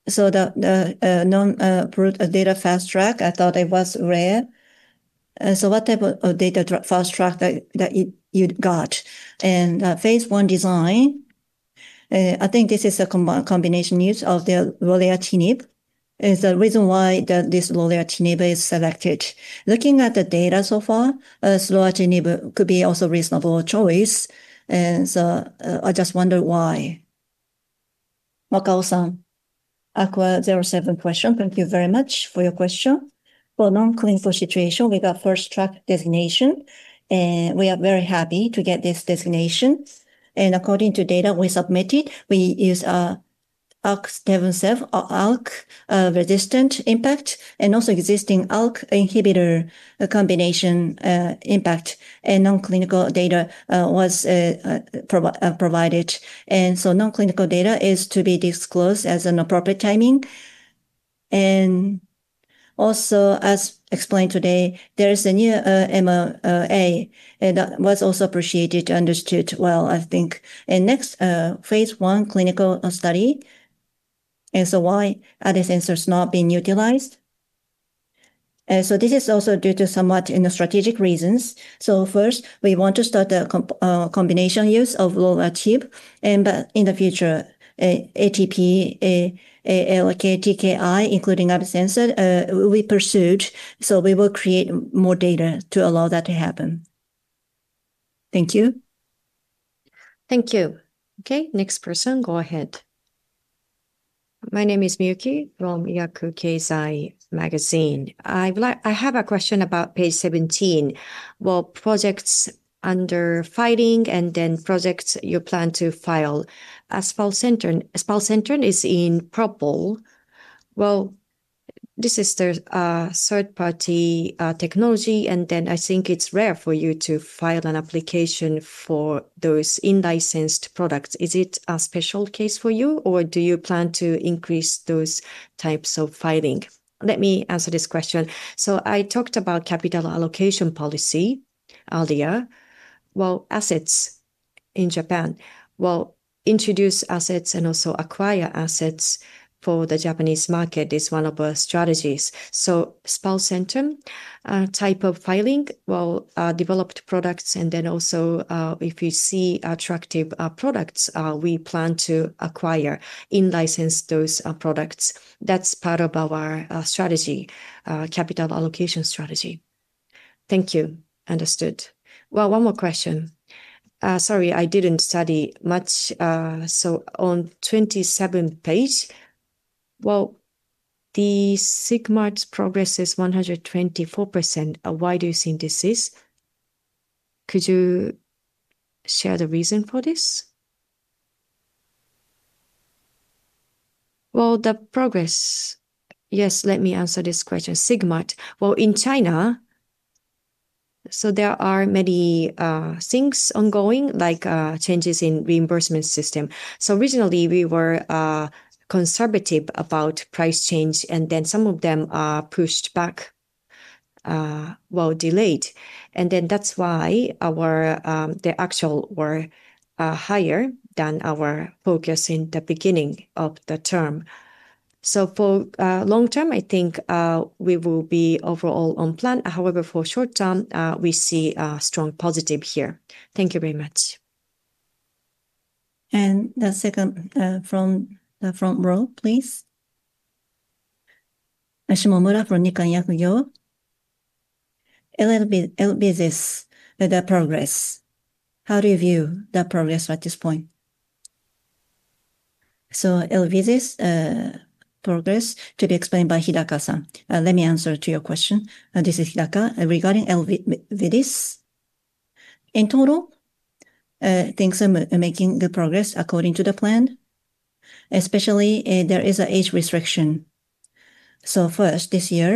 The non-approved data Fast Track, I thought it was rare. What type of data Fast Track that you'd got and phase I design, I think this is a combination use of the lorlatinib, is the reason why this lorlatinib is selected. Looking at the data so far, lorlatinib could be also reasonable choice. I just wonder why. Wako-san, AQUA07 question. Thank you very much for your question. For non-clinical situation, we got Fast Track designation, we are very happy to get this designation. According to data we submitted, we use AQUA07 or ALK-resistant impact, and also existing ALK inhibitor combination impact, non-clinical data was provided. Non-clinical data is to be disclosed as an appropriate timing. As explained today, there is a new MA, and that was also appreciated, understood well, I think. Next, phase I clinical study. Why Alecensa not being utilized. This is also due to somewhat strategic reasons. First, we want to start a combination use of lorlatinib, but in the future, ATP, ALK TKI, including Alecensa, will be pursued. We will create more data to allow that to happen. Thank you. Thank you. Next person, go ahead. My name is Miyuki from Yakuji Keizai magazine. I have a question about page 17. Projects under filing and then projects you plan to file. sparsentan is in purple. This is the third-party technology, and then I think it's rare for you to file an application for those in-licensed products. Is it a special case for you, or do you plan to increase those types of filing? Let me answer this question. I talked about capital allocation policy earlier. Assets in Japan. Introduce assets and also acquire assets for the Japanese market is one of our strategies. sparsentan type of filing, developed products, and then also if we see attractive products, we plan to acquire, in-license those products. That's part of our strategy, capital allocation strategy. Thank you. Understood. One more question. Sorry, I didn't study much. On 27 page, the SIGMART progress is 124%. Why do you think this is? Could you share the reason for this? The progress. Yes, let me answer this question. SIGMART. In China, there are many things ongoing, like changes in reimbursement system. Originally, we were conservative about price change, and then some of them are pushed back. Delayed. That's why the actual were higher than our focus in the beginning of the term. For long term, I think we will be overall on plan. However, for short term, we see strong positive here. Thank you very much. The second from the front row, please. Shimomura from Nikkan Kogyo. ELEVIDYS, the progress. How do you view the progress at this point? ELEVIDYS progress to be explained by Hidaka-san. Let me answer to your question. This is Hidaka. Regarding ELEVIDYS, in total, things are making good progress according to the plan, especially there is an age restriction. First, this year,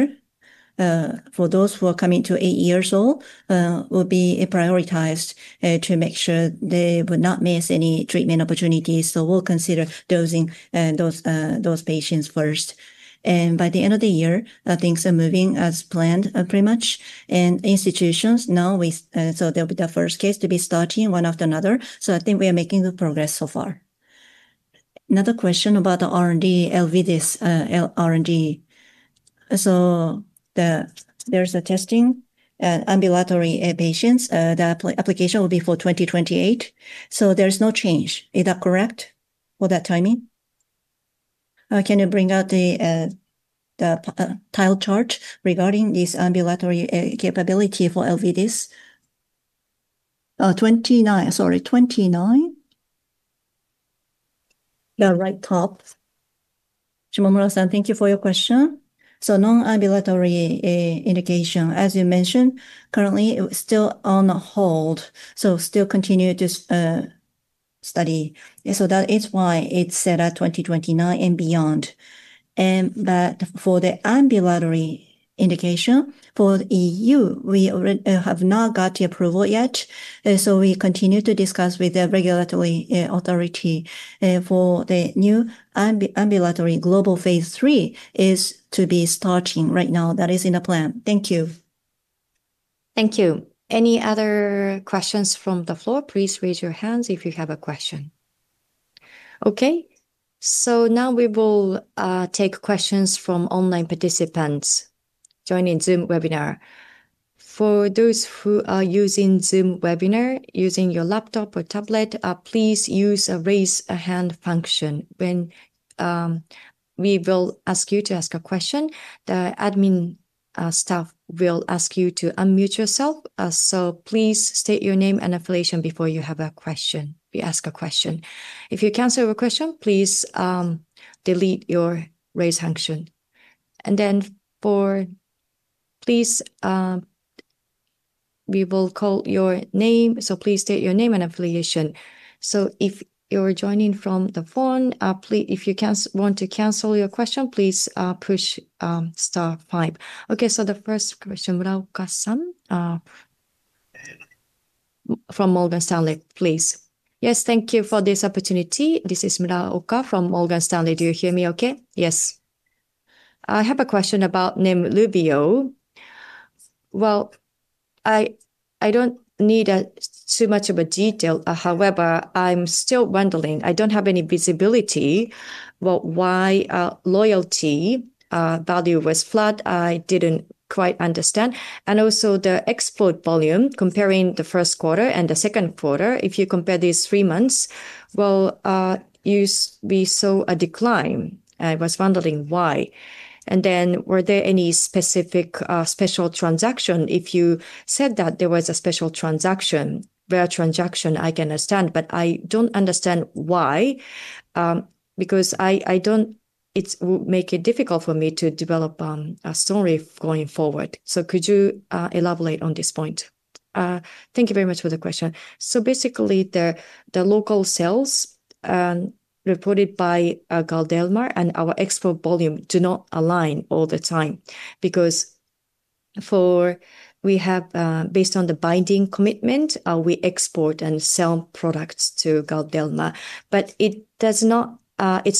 for those who are coming to eight years old, will be prioritized to make sure they would not miss any treatment opportunities. We'll consider dosing those patients first. By the end of the year, things are moving as planned pretty much. Institutions now, so they'll be the first case to be starting one after another. I think we are making good progress so far. Another question about the R&D, ELEVIDYS R&D. There's a testing in ambulatory patients. The application will be for 2028. There is no change, is that correct, for that timing? Can you bring out the tile chart regarding this ambulatory capability for ELEVIDYS? 29, sorry, 29. The right top. Shimomura-san, thank you for your question. Non-ambulatory indication, as you mentioned, currently still on hold. Still continue this study. That is why it's set at 2029 and beyond. For the ambulatory indication for EU, we have not got the approval yet. We continue to discuss with the regulatory authority for the new ambulatory global phase III is to be starting right now. That is in the plan. Thank you. Thank you. Any other questions from the floor? Please raise your hands if you have a question. Now we will take questions from online participants joining Zoom webinar. For those who are using Zoom webinar, using your laptop or tablet, please use raise hand function. When we will ask you to ask a question, the admin staff will ask you to unmute yourself. Please state your name and affiliation before you ask a question. If you cancel your question, please delete your raise function. Then we will call your name, so please state your name and affiliation. If you're joining from the phone, if you want to cancel your question, please push star five. The first question, Muraoka-san from Morgan Stanley, please. Yes, thank you for this opportunity. This is Muraoka from Morgan Stanley. Do you hear me okay? Yes. I have a question about NEMLUVIO. Well, I don't need too much of a detail. However, I'm still wondering, I don't have any visibility, but why loyalty value was flat, I didn't quite understand. Also the export volume comparing the first quarter and the second quarter. If you compare these three months, well, we saw a decline. I was wondering why. Were there any specific special transaction? If you said that there was a special transaction, I can understand, but I don't understand why. It will make it difficult for me to develop a story going forward. Could you elaborate on this point? Thank you very much for the question. Basically, the local sales reported by Galderma and our export volume do not align all the time because based on the binding commitment, we export and sell products to Galderma, but it's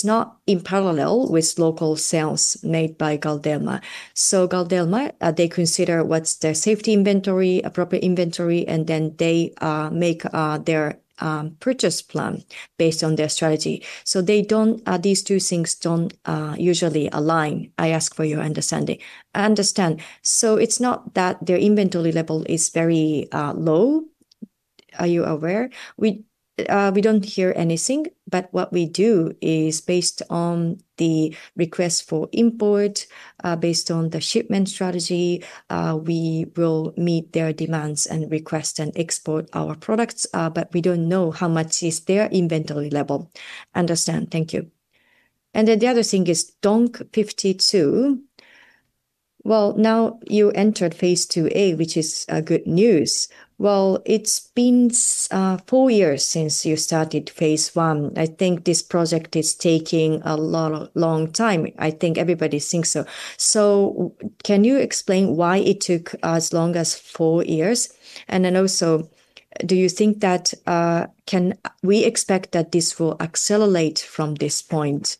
not in parallel with local sales made by Galderma. Galderma, they consider what's their safety inventory, appropriate inventory, and then they make their purchase plan based on their strategy. These two things don't usually align. I ask for your understanding. Understand. It's not that their inventory level is very low. Are you aware? We don't hear anything, but what we do is based on the request for import, based on the shipment strategy, we will meet their demands and request and export our products. We don't know how much is their inventory level. Understand. Thank you. The other thing is, DONQ52. We now entered phase II-A which is good news. It has been four years since we started phase I. I think this project is taking a long time. I think everybody thinks so. Can you explain why it took as long as four years? Do you think that we can expect that this will accelerate from this point?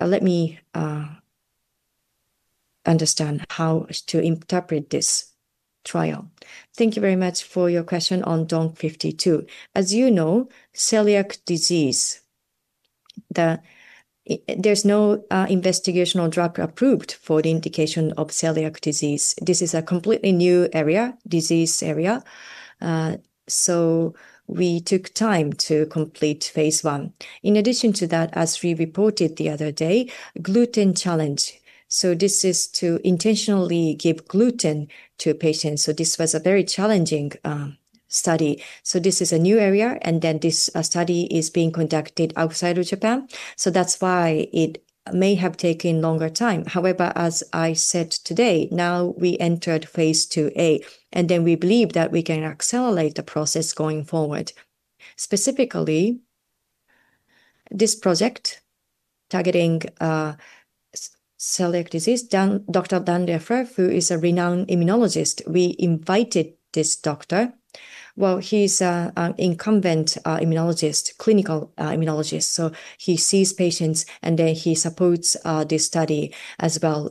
Let me understand how to interpret this trial. Thank you very much for your question on DONQ52. As you know, celiac disease, there is no investigational drug approved for the indication of celiac disease. This is a completely new disease area, so we took time to complete phase I. In addition to that, as we reported the other day, gluten challenge. This is to intentionally give gluten to a patient, so this was a very challenging study. This is a new area, and then this study is being conducted outside of Japan, so that is why it may have taken longer time. However, as I said today, now we entered phase II-A, and then we believe that we can accelerate the process going forward. Specifically, this project targeting celiac disease, Dr. Dan Leffler, who is a renowned immunologist, we invited this doctor. He is an incumbent immunologist, clinical immunologist, so he sees patients, and then he supports this study as well.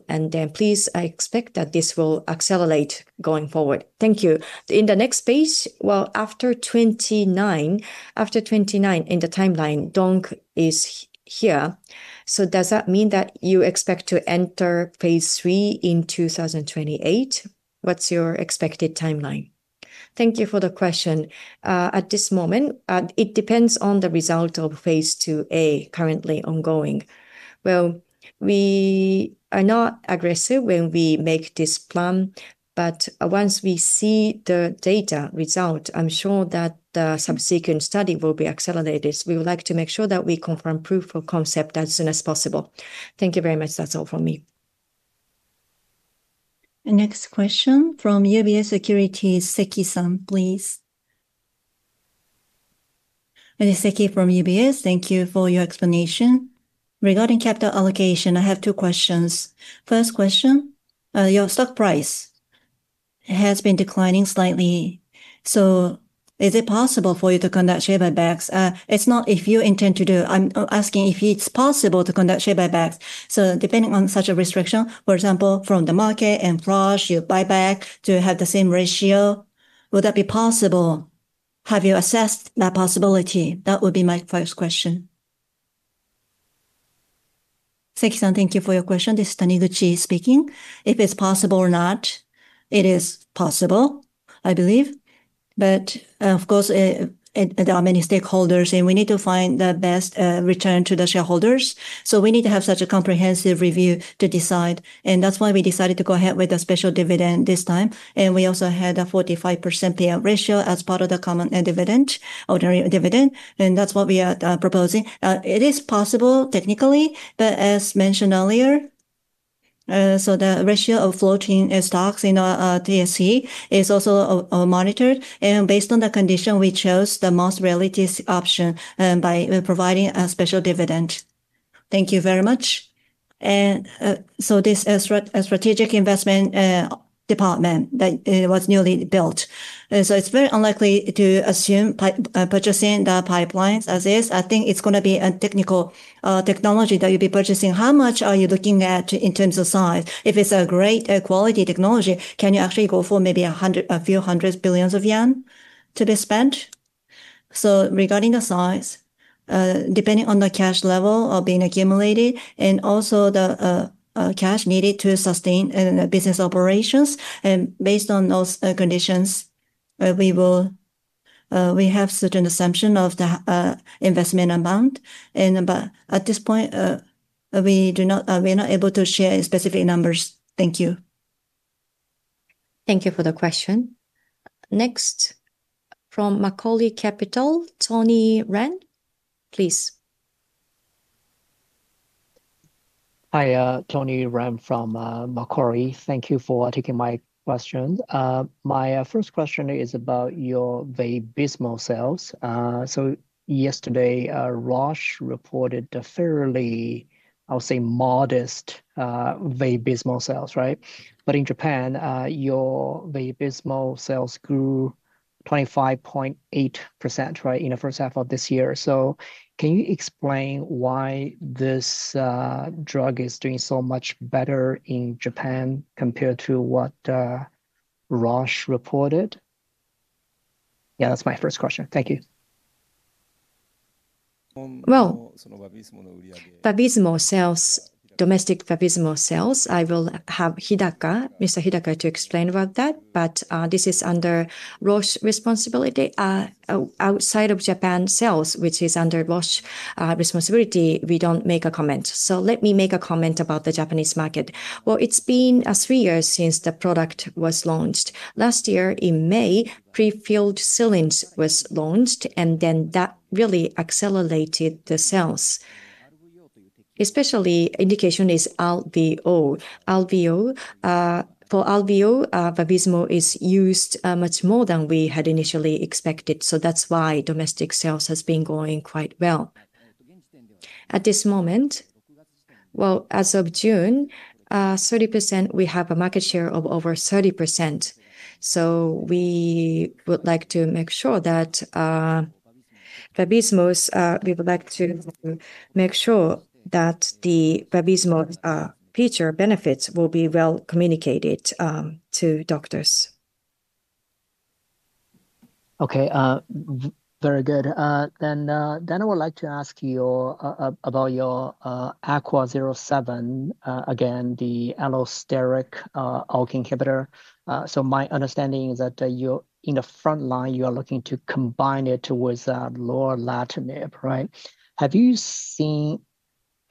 Please, I expect that this will accelerate going forward. Thank you. In the next phase, after 2029, in the timeline, DON is here. Does that mean that you expect to enter phase III in 2028? What is your expected timeline? Thank you for the question. At this moment, it depends on the result of phase II-A, currently ongoing. We are not aggressive when we make this plan, but once we see the data result, I am sure that the subsequent study will be accelerated. We would like to make sure that we confirm proof of concept as soon as possible. Thank you very much. That is all from me. The next question from UBS Securities, Seki-san, please. Seki from UBS. Thank you for your explanation. Regarding capital allocation, I have two questions. First question, your stock price has been declining slightly, so is it possible for you to conduct share buybacks? It is not if you intend to do it, I am asking if it is possible to conduct share buybacks. Depending on such a restriction, for example, from the market and Roche, you buyback to have the same ratio, would that be possible? Have you assessed that possibility? That would be my first question. Seki-san, thank you for your question. This is Taniguchi speaking. If it's possible or not, it is possible, I believe, but of course, there are many stakeholders, and we need to find the best return to the shareholders. We need to have such a comprehensive review to decide, and that's why we decided to go ahead with a special dividend this time. We also had a 45% payout ratio as part of the common dividend, ordinary dividend, and that's what we are proposing. It is possible technically, but as mentioned earlier, the ratio of floating stocks in our TSE is also monitored, and based on the condition, we chose the most realistic option by providing a special dividend. Thank you very much. This Strategic Investment Department that was newly built, it's very unlikely to assume purchasing the pipelines as is. I think it's going to be a technical technology that you'll be purchasing. How much are you looking at in terms of size? If it's a great quality technology, can you actually go for maybe a few hundred billion JPY to be spent? Regarding the size, depending on the cash level of being accumulated and also the cash needed to sustain business operations, based on those conditions, we have certain assumption of the investment amount. At this point, we're not able to share specific numbers. Thank you. Thank you for the question. Next, from Macquarie Capital, Tony Ren, please. Hi, Tony Ren from Macquarie. Thank you for taking my questions. My first question is about your Vabysmo sales. Yesterday, Roche reported a fairly, I'll say, modest Vabysmo sales, right? In Japan, your Vabysmo sales grew 25.8%, right, in the first half of this year. Can you explain why this drug is doing so much better in Japan compared to what Roche reported? Yeah, that's my first question. Thank you. Domestic Vabysmo sales, I will have Mr. Hidaka to explain about that, but this is under Roche responsibility. Outside of Japan sales, which is under Roche responsibility, we do not make a comment. Let me make a comment about the Japanese market. It has been three years since the product was launched. Last year in May, prefilled cylinders was launched, and that really accelerated the sales. Especially indication is RVO. For RVO, Vabysmo is used much more than we had initially expected. That is why domestic sales has been going quite well. At this moment, as of June, we have a market share of over 30%. We would like to make sure that Vabysmo's future benefits will be well-communicated to doctors. Okay. Very good. I would like to ask you about your AQUA07, again, the allosteric ALK inhibitor. My understanding is that in the front line, you are looking to combine it towards lorlatinib, right?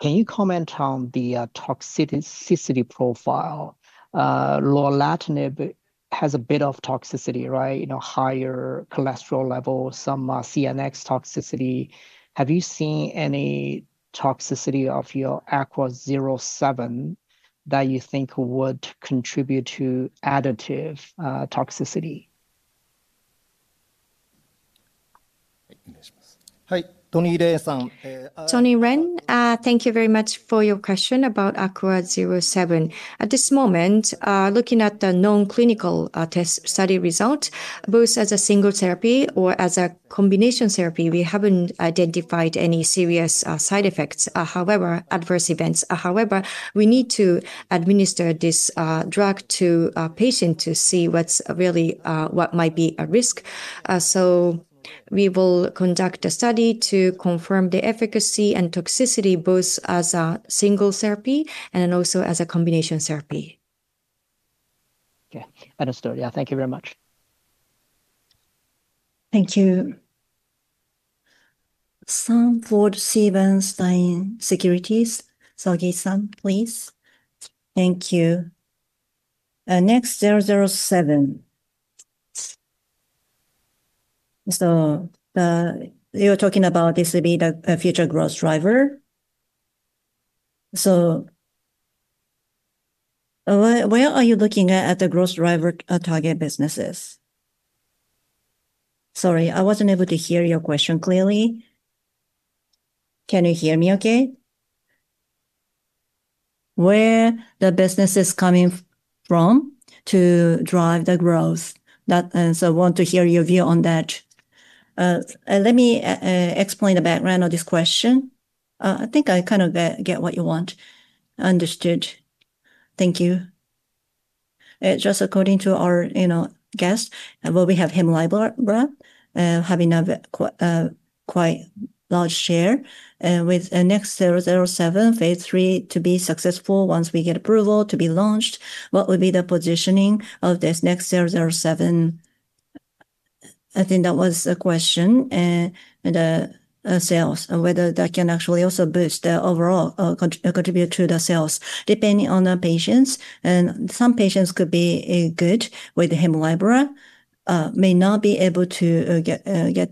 Can you comment on the toxicity profile? Lorlatinib has a bit of toxicity, right? Higher cholesterol level, some CNS toxicity. Have you seen any toxicity of your AQUA07 that you think would contribute to additive toxicity? Tony Ren, thank you very much for your question about AQUA07. At this moment, looking at the non-clinical test study result, both as a single therapy or as a combination therapy, we have not identified any serious side effects, however, adverse events. However, we need to administer this drug to a patient to see what might be a risk. We will conduct a study to confirm the efficacy and toxicity, both as a single therapy and also as a combination therapy. Okay. Understood. Yeah. Thank you very much. Thank you. Sanford C. Bernstein Securities. Sogei-san, please. Thank you. NXT007. You're talking about this will be the future growth driver. Where are you looking at the growth driver target businesses? Sorry, I wasn't able to hear your question clearly. Can you hear me okay? Where the business is coming from to drive the growth. I want to hear your view on that. Let me explain the background of this question. I think I get what you want. Understood. Thank you. Just according to our guest, well, we have Hemlibra having a quite large share. With NXT007, phase III to be successful once we get approval to be launched, what would be the positioning of this NXT007? I think that was the question. The sales, and whether that can actually also boost the overall contribute to the sales. Depending on the patients, some patients could be good with Hemlibra, may not be able to get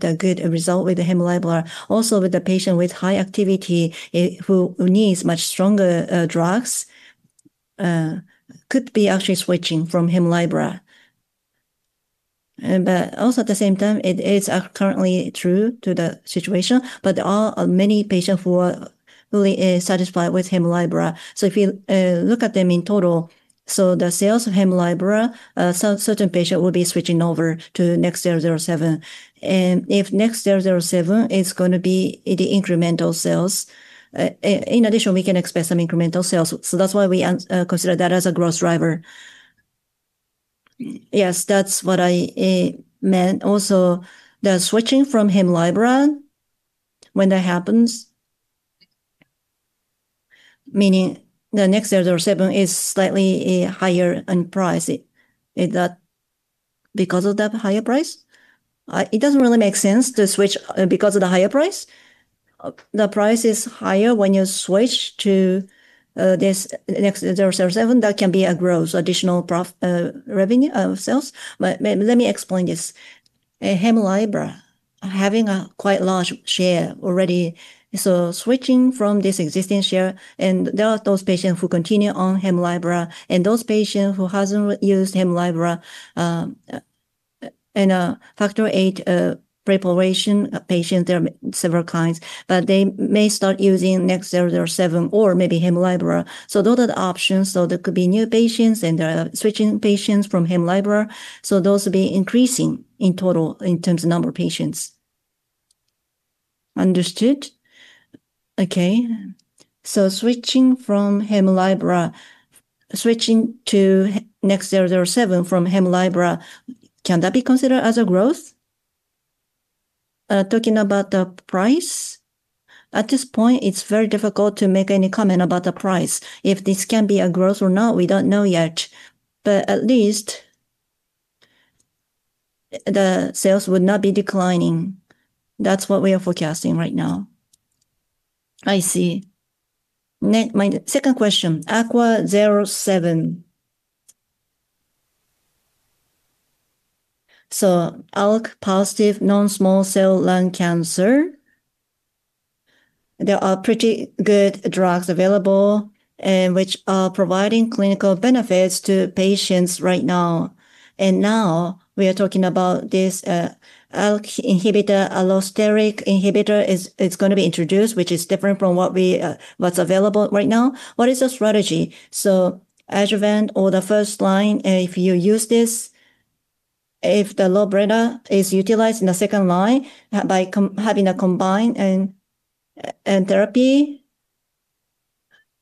a good result with the Hemlibra. Also with the patient with high activity who needs much stronger drugs, could be actually switching from Hemlibra. Also at the same time, it is currently true to the situation, but there are many patients who are really satisfied with Hemlibra. If you look at them in total, so the sales of Hemlibra, certain patients will be switching over to NXT007. If NXT007 is going to be the incremental sales, in addition, we can expect some incremental sales. That's why we consider that as a growth driver. Yes, that's what I meant. Also, the switching from Hemlibra, when that happens, meaning the NXT007 is slightly higher in price. Is that because of that higher price? It doesn't really make sense to switch because of the higher price. The price is higher when you switch to this NXT007. That can be a growth, additional revenue of sales. Let me explain this. Hemlibra, having a quite large share already. Switching from this existing share, and there are those patients who continue on Hemlibra, and those patients who hasn't used Hemlibra, and factor VIII preparation patients, there are several kinds. They may start using NXT007 or maybe Hemlibra. Those are the options. There could be new patients, and there are switching patients from Hemlibra. Those will be increasing in total in terms of number of patients. Understood. Okay. Switching to NXT007 from Hemlibra, can that be considered as a growth? Talking about the price, at this point, it's very difficult to make any comment about the price. If this can be a growth or not, we don't know yet. At least, the sales would not be declining. That's what we are forecasting right now. I see. My second question, AQUA07. ALK-positive non-small cell lung cancer. There are pretty good drugs available which are providing clinical benefits to patients right now. Now we are talking about this ALK inhibitor, allosteric inhibitor, it's going to be introduced, which is different from what's available right now. What is the strategy? Adjuvant or the first-line, if you use this, if the lorlatinib is utilized in the second line by having a combined therapy,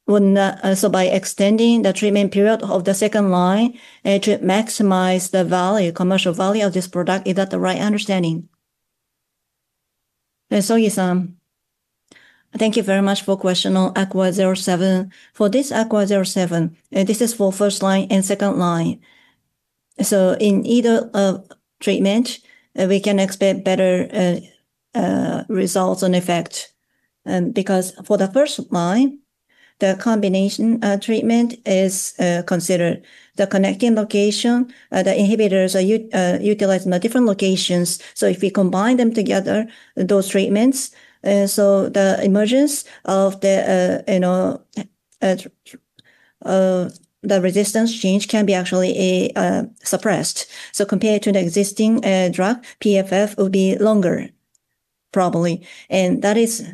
so by extending the treatment period of the second line to maximize the commercial value of this product, is that the right understanding? Sogei-san. Thank you very much for question on AQUA07. For this AQUA07, this is for first-line and second-line. In either treatment, we can expect better results and effect. For the first line, the combination treatment is considered. The connecting location, the inhibitors are utilized in the different locations. If we combine them together, those treatments, so the emergence of the resistance change can be actually suppressed. Compared to the existing drug, PFS would be longer, probably, and that is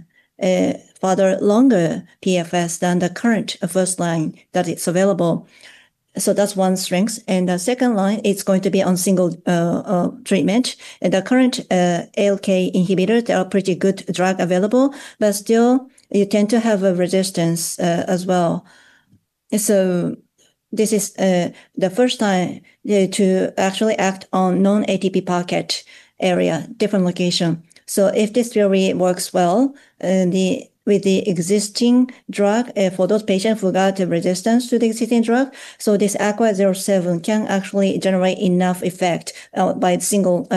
farther longer PFS than the current first-line that is available. That's one strength. The second line, it's going to be on single treatment. The current ALK inhibitor, they are pretty good drug available, but still, you tend to have a resistance, as well. This is the first time to actually act on non-ATP pocket area, different location. If this really works well with the existing drug for those patients who got a resistance to the existing drug, this AQUA07 can actually generate enough effect by single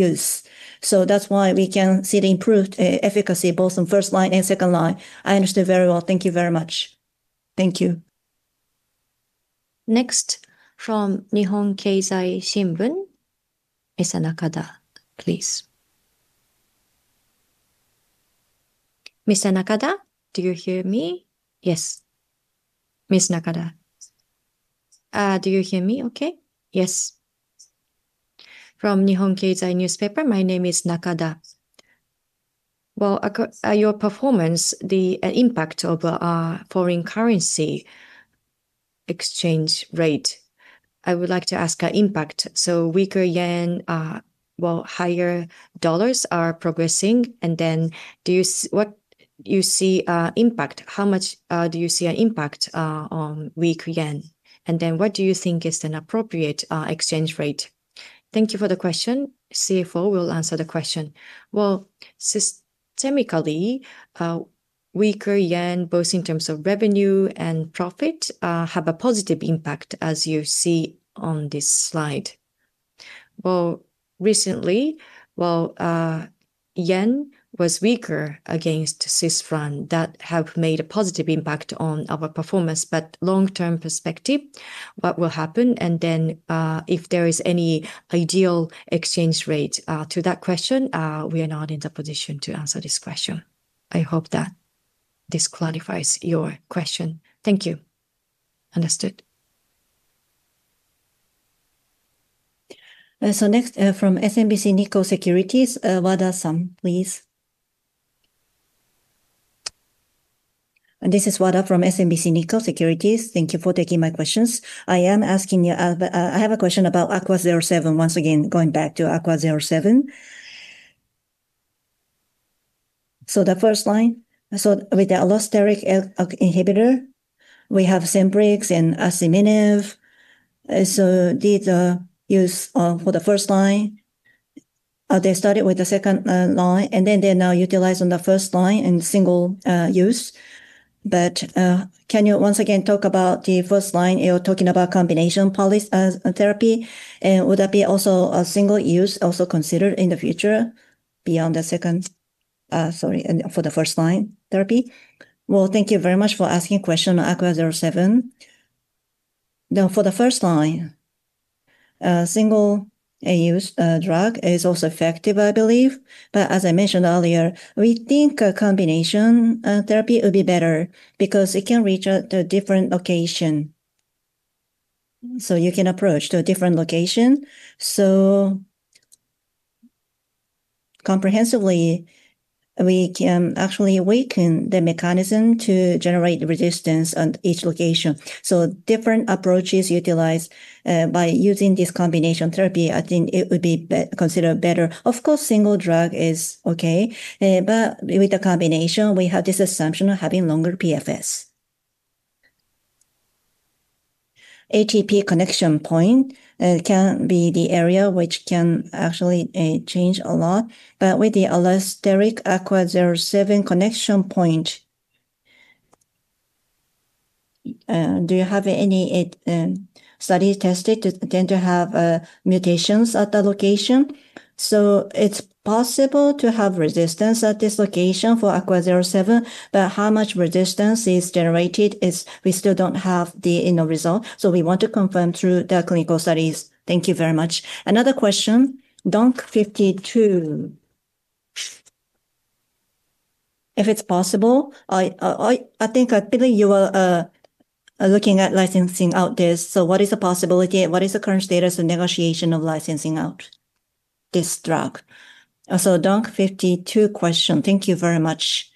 use. That's why we can see the improved efficacy both on first line and second line. I understand very well. Thank you very much. Thank you. Next from Nihon Keizai Shimbun, Ms. Nakada, please. Ms. Nakada, do you hear me? Yes. Ms. Nakada. Do you hear me okay? Yes. From Nihon Keizai Shimbun, my name is Nakada. Your performance, the impact of foreign currency exchange rate, I would like to ask impact. Weaker yen, higher dollars are progressing, what you see impact, how much do you see an impact on weak yen? What do you think is an appropriate exchange rate? Thank you for the question. CFO will answer the question. Systemically, weaker yen, both in terms of revenue and profit, have a positive impact, as you see on this slide. Recently, yen was weaker against Swiss franc. That have made a positive impact on our performance. Long-term perspective, what will happen, if there is any ideal exchange rate. To that question, we are not in the position to answer this question. I hope that this clarifies your question. Thank you. Understood. Next from SMBC Nikko Securities, Wada-san, please. This is Wada from SMBC Nikko Securities. Thank you for taking my questions. I have a question about AQUA07. Once again, going back to AQUA07. The first line, with the allosteric inhibitor, we have Scemblix and asciminib. These are used for the first line. They started with the second line, they're now utilized on the first line in single use. Can you once again talk about the first line? You're talking about combination therapy, and would that be also a single use also considered in the future beyond the sorry, for the first-line therapy? Thank you very much for asking a question on AQUA07. For the first line, single use drug is also effective, I believe. As I mentioned earlier, we think a combination therapy would be better because it can reach a different location. You can approach to a different location. Comprehensively, we can actually awaken the mechanism to generate resistance on each location. Different approaches utilized by using this combination therapy, I think it would be considered better. Of course, single drug is okay, but with the combination, we have this assumption of having longer PFS. ATP connection point can be the area which can actually change a lot. With the allosteric AQUA07 connection point, do you have any study tested to tend to have mutations at that location? It's possible to have resistance at this location for AQUA07, but how much resistance is generated is we still don't have the end result. We want to confirm through the clinical studies. Thank you very much. Another question, DONQ52. If it's possible, I think, I believe you are looking at licensing out this, what is the possibility and what is the current status of negotiation of licensing out this drug? DONQ52 question. Thank you very much.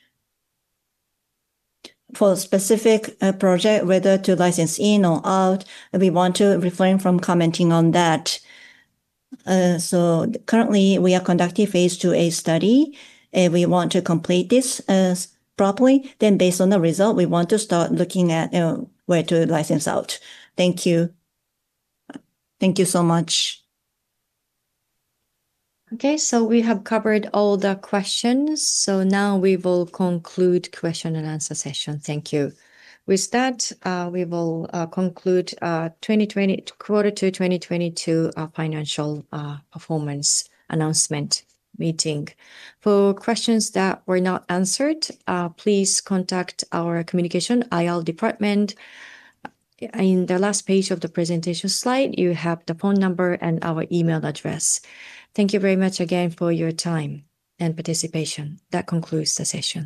For specific project, whether to license in or out, we want to refrain from commenting on that. Currently, we are conducting phase II-A study, and we want to complete this properly. Based on the result, we want to start looking at where to license out. Thank you. Thank you so much. Okay, we have covered all the questions. Now we will conclude question-and-answer session. Thank you. With that, we will conclude quarter two 2022 financial performance announcement meeting. For questions that were not answered, please contact our Corporate Communications IR department. In the last page of the presentation slide, you have the phone number and our email address. Thank you very much again for your time and participation. That concludes the session.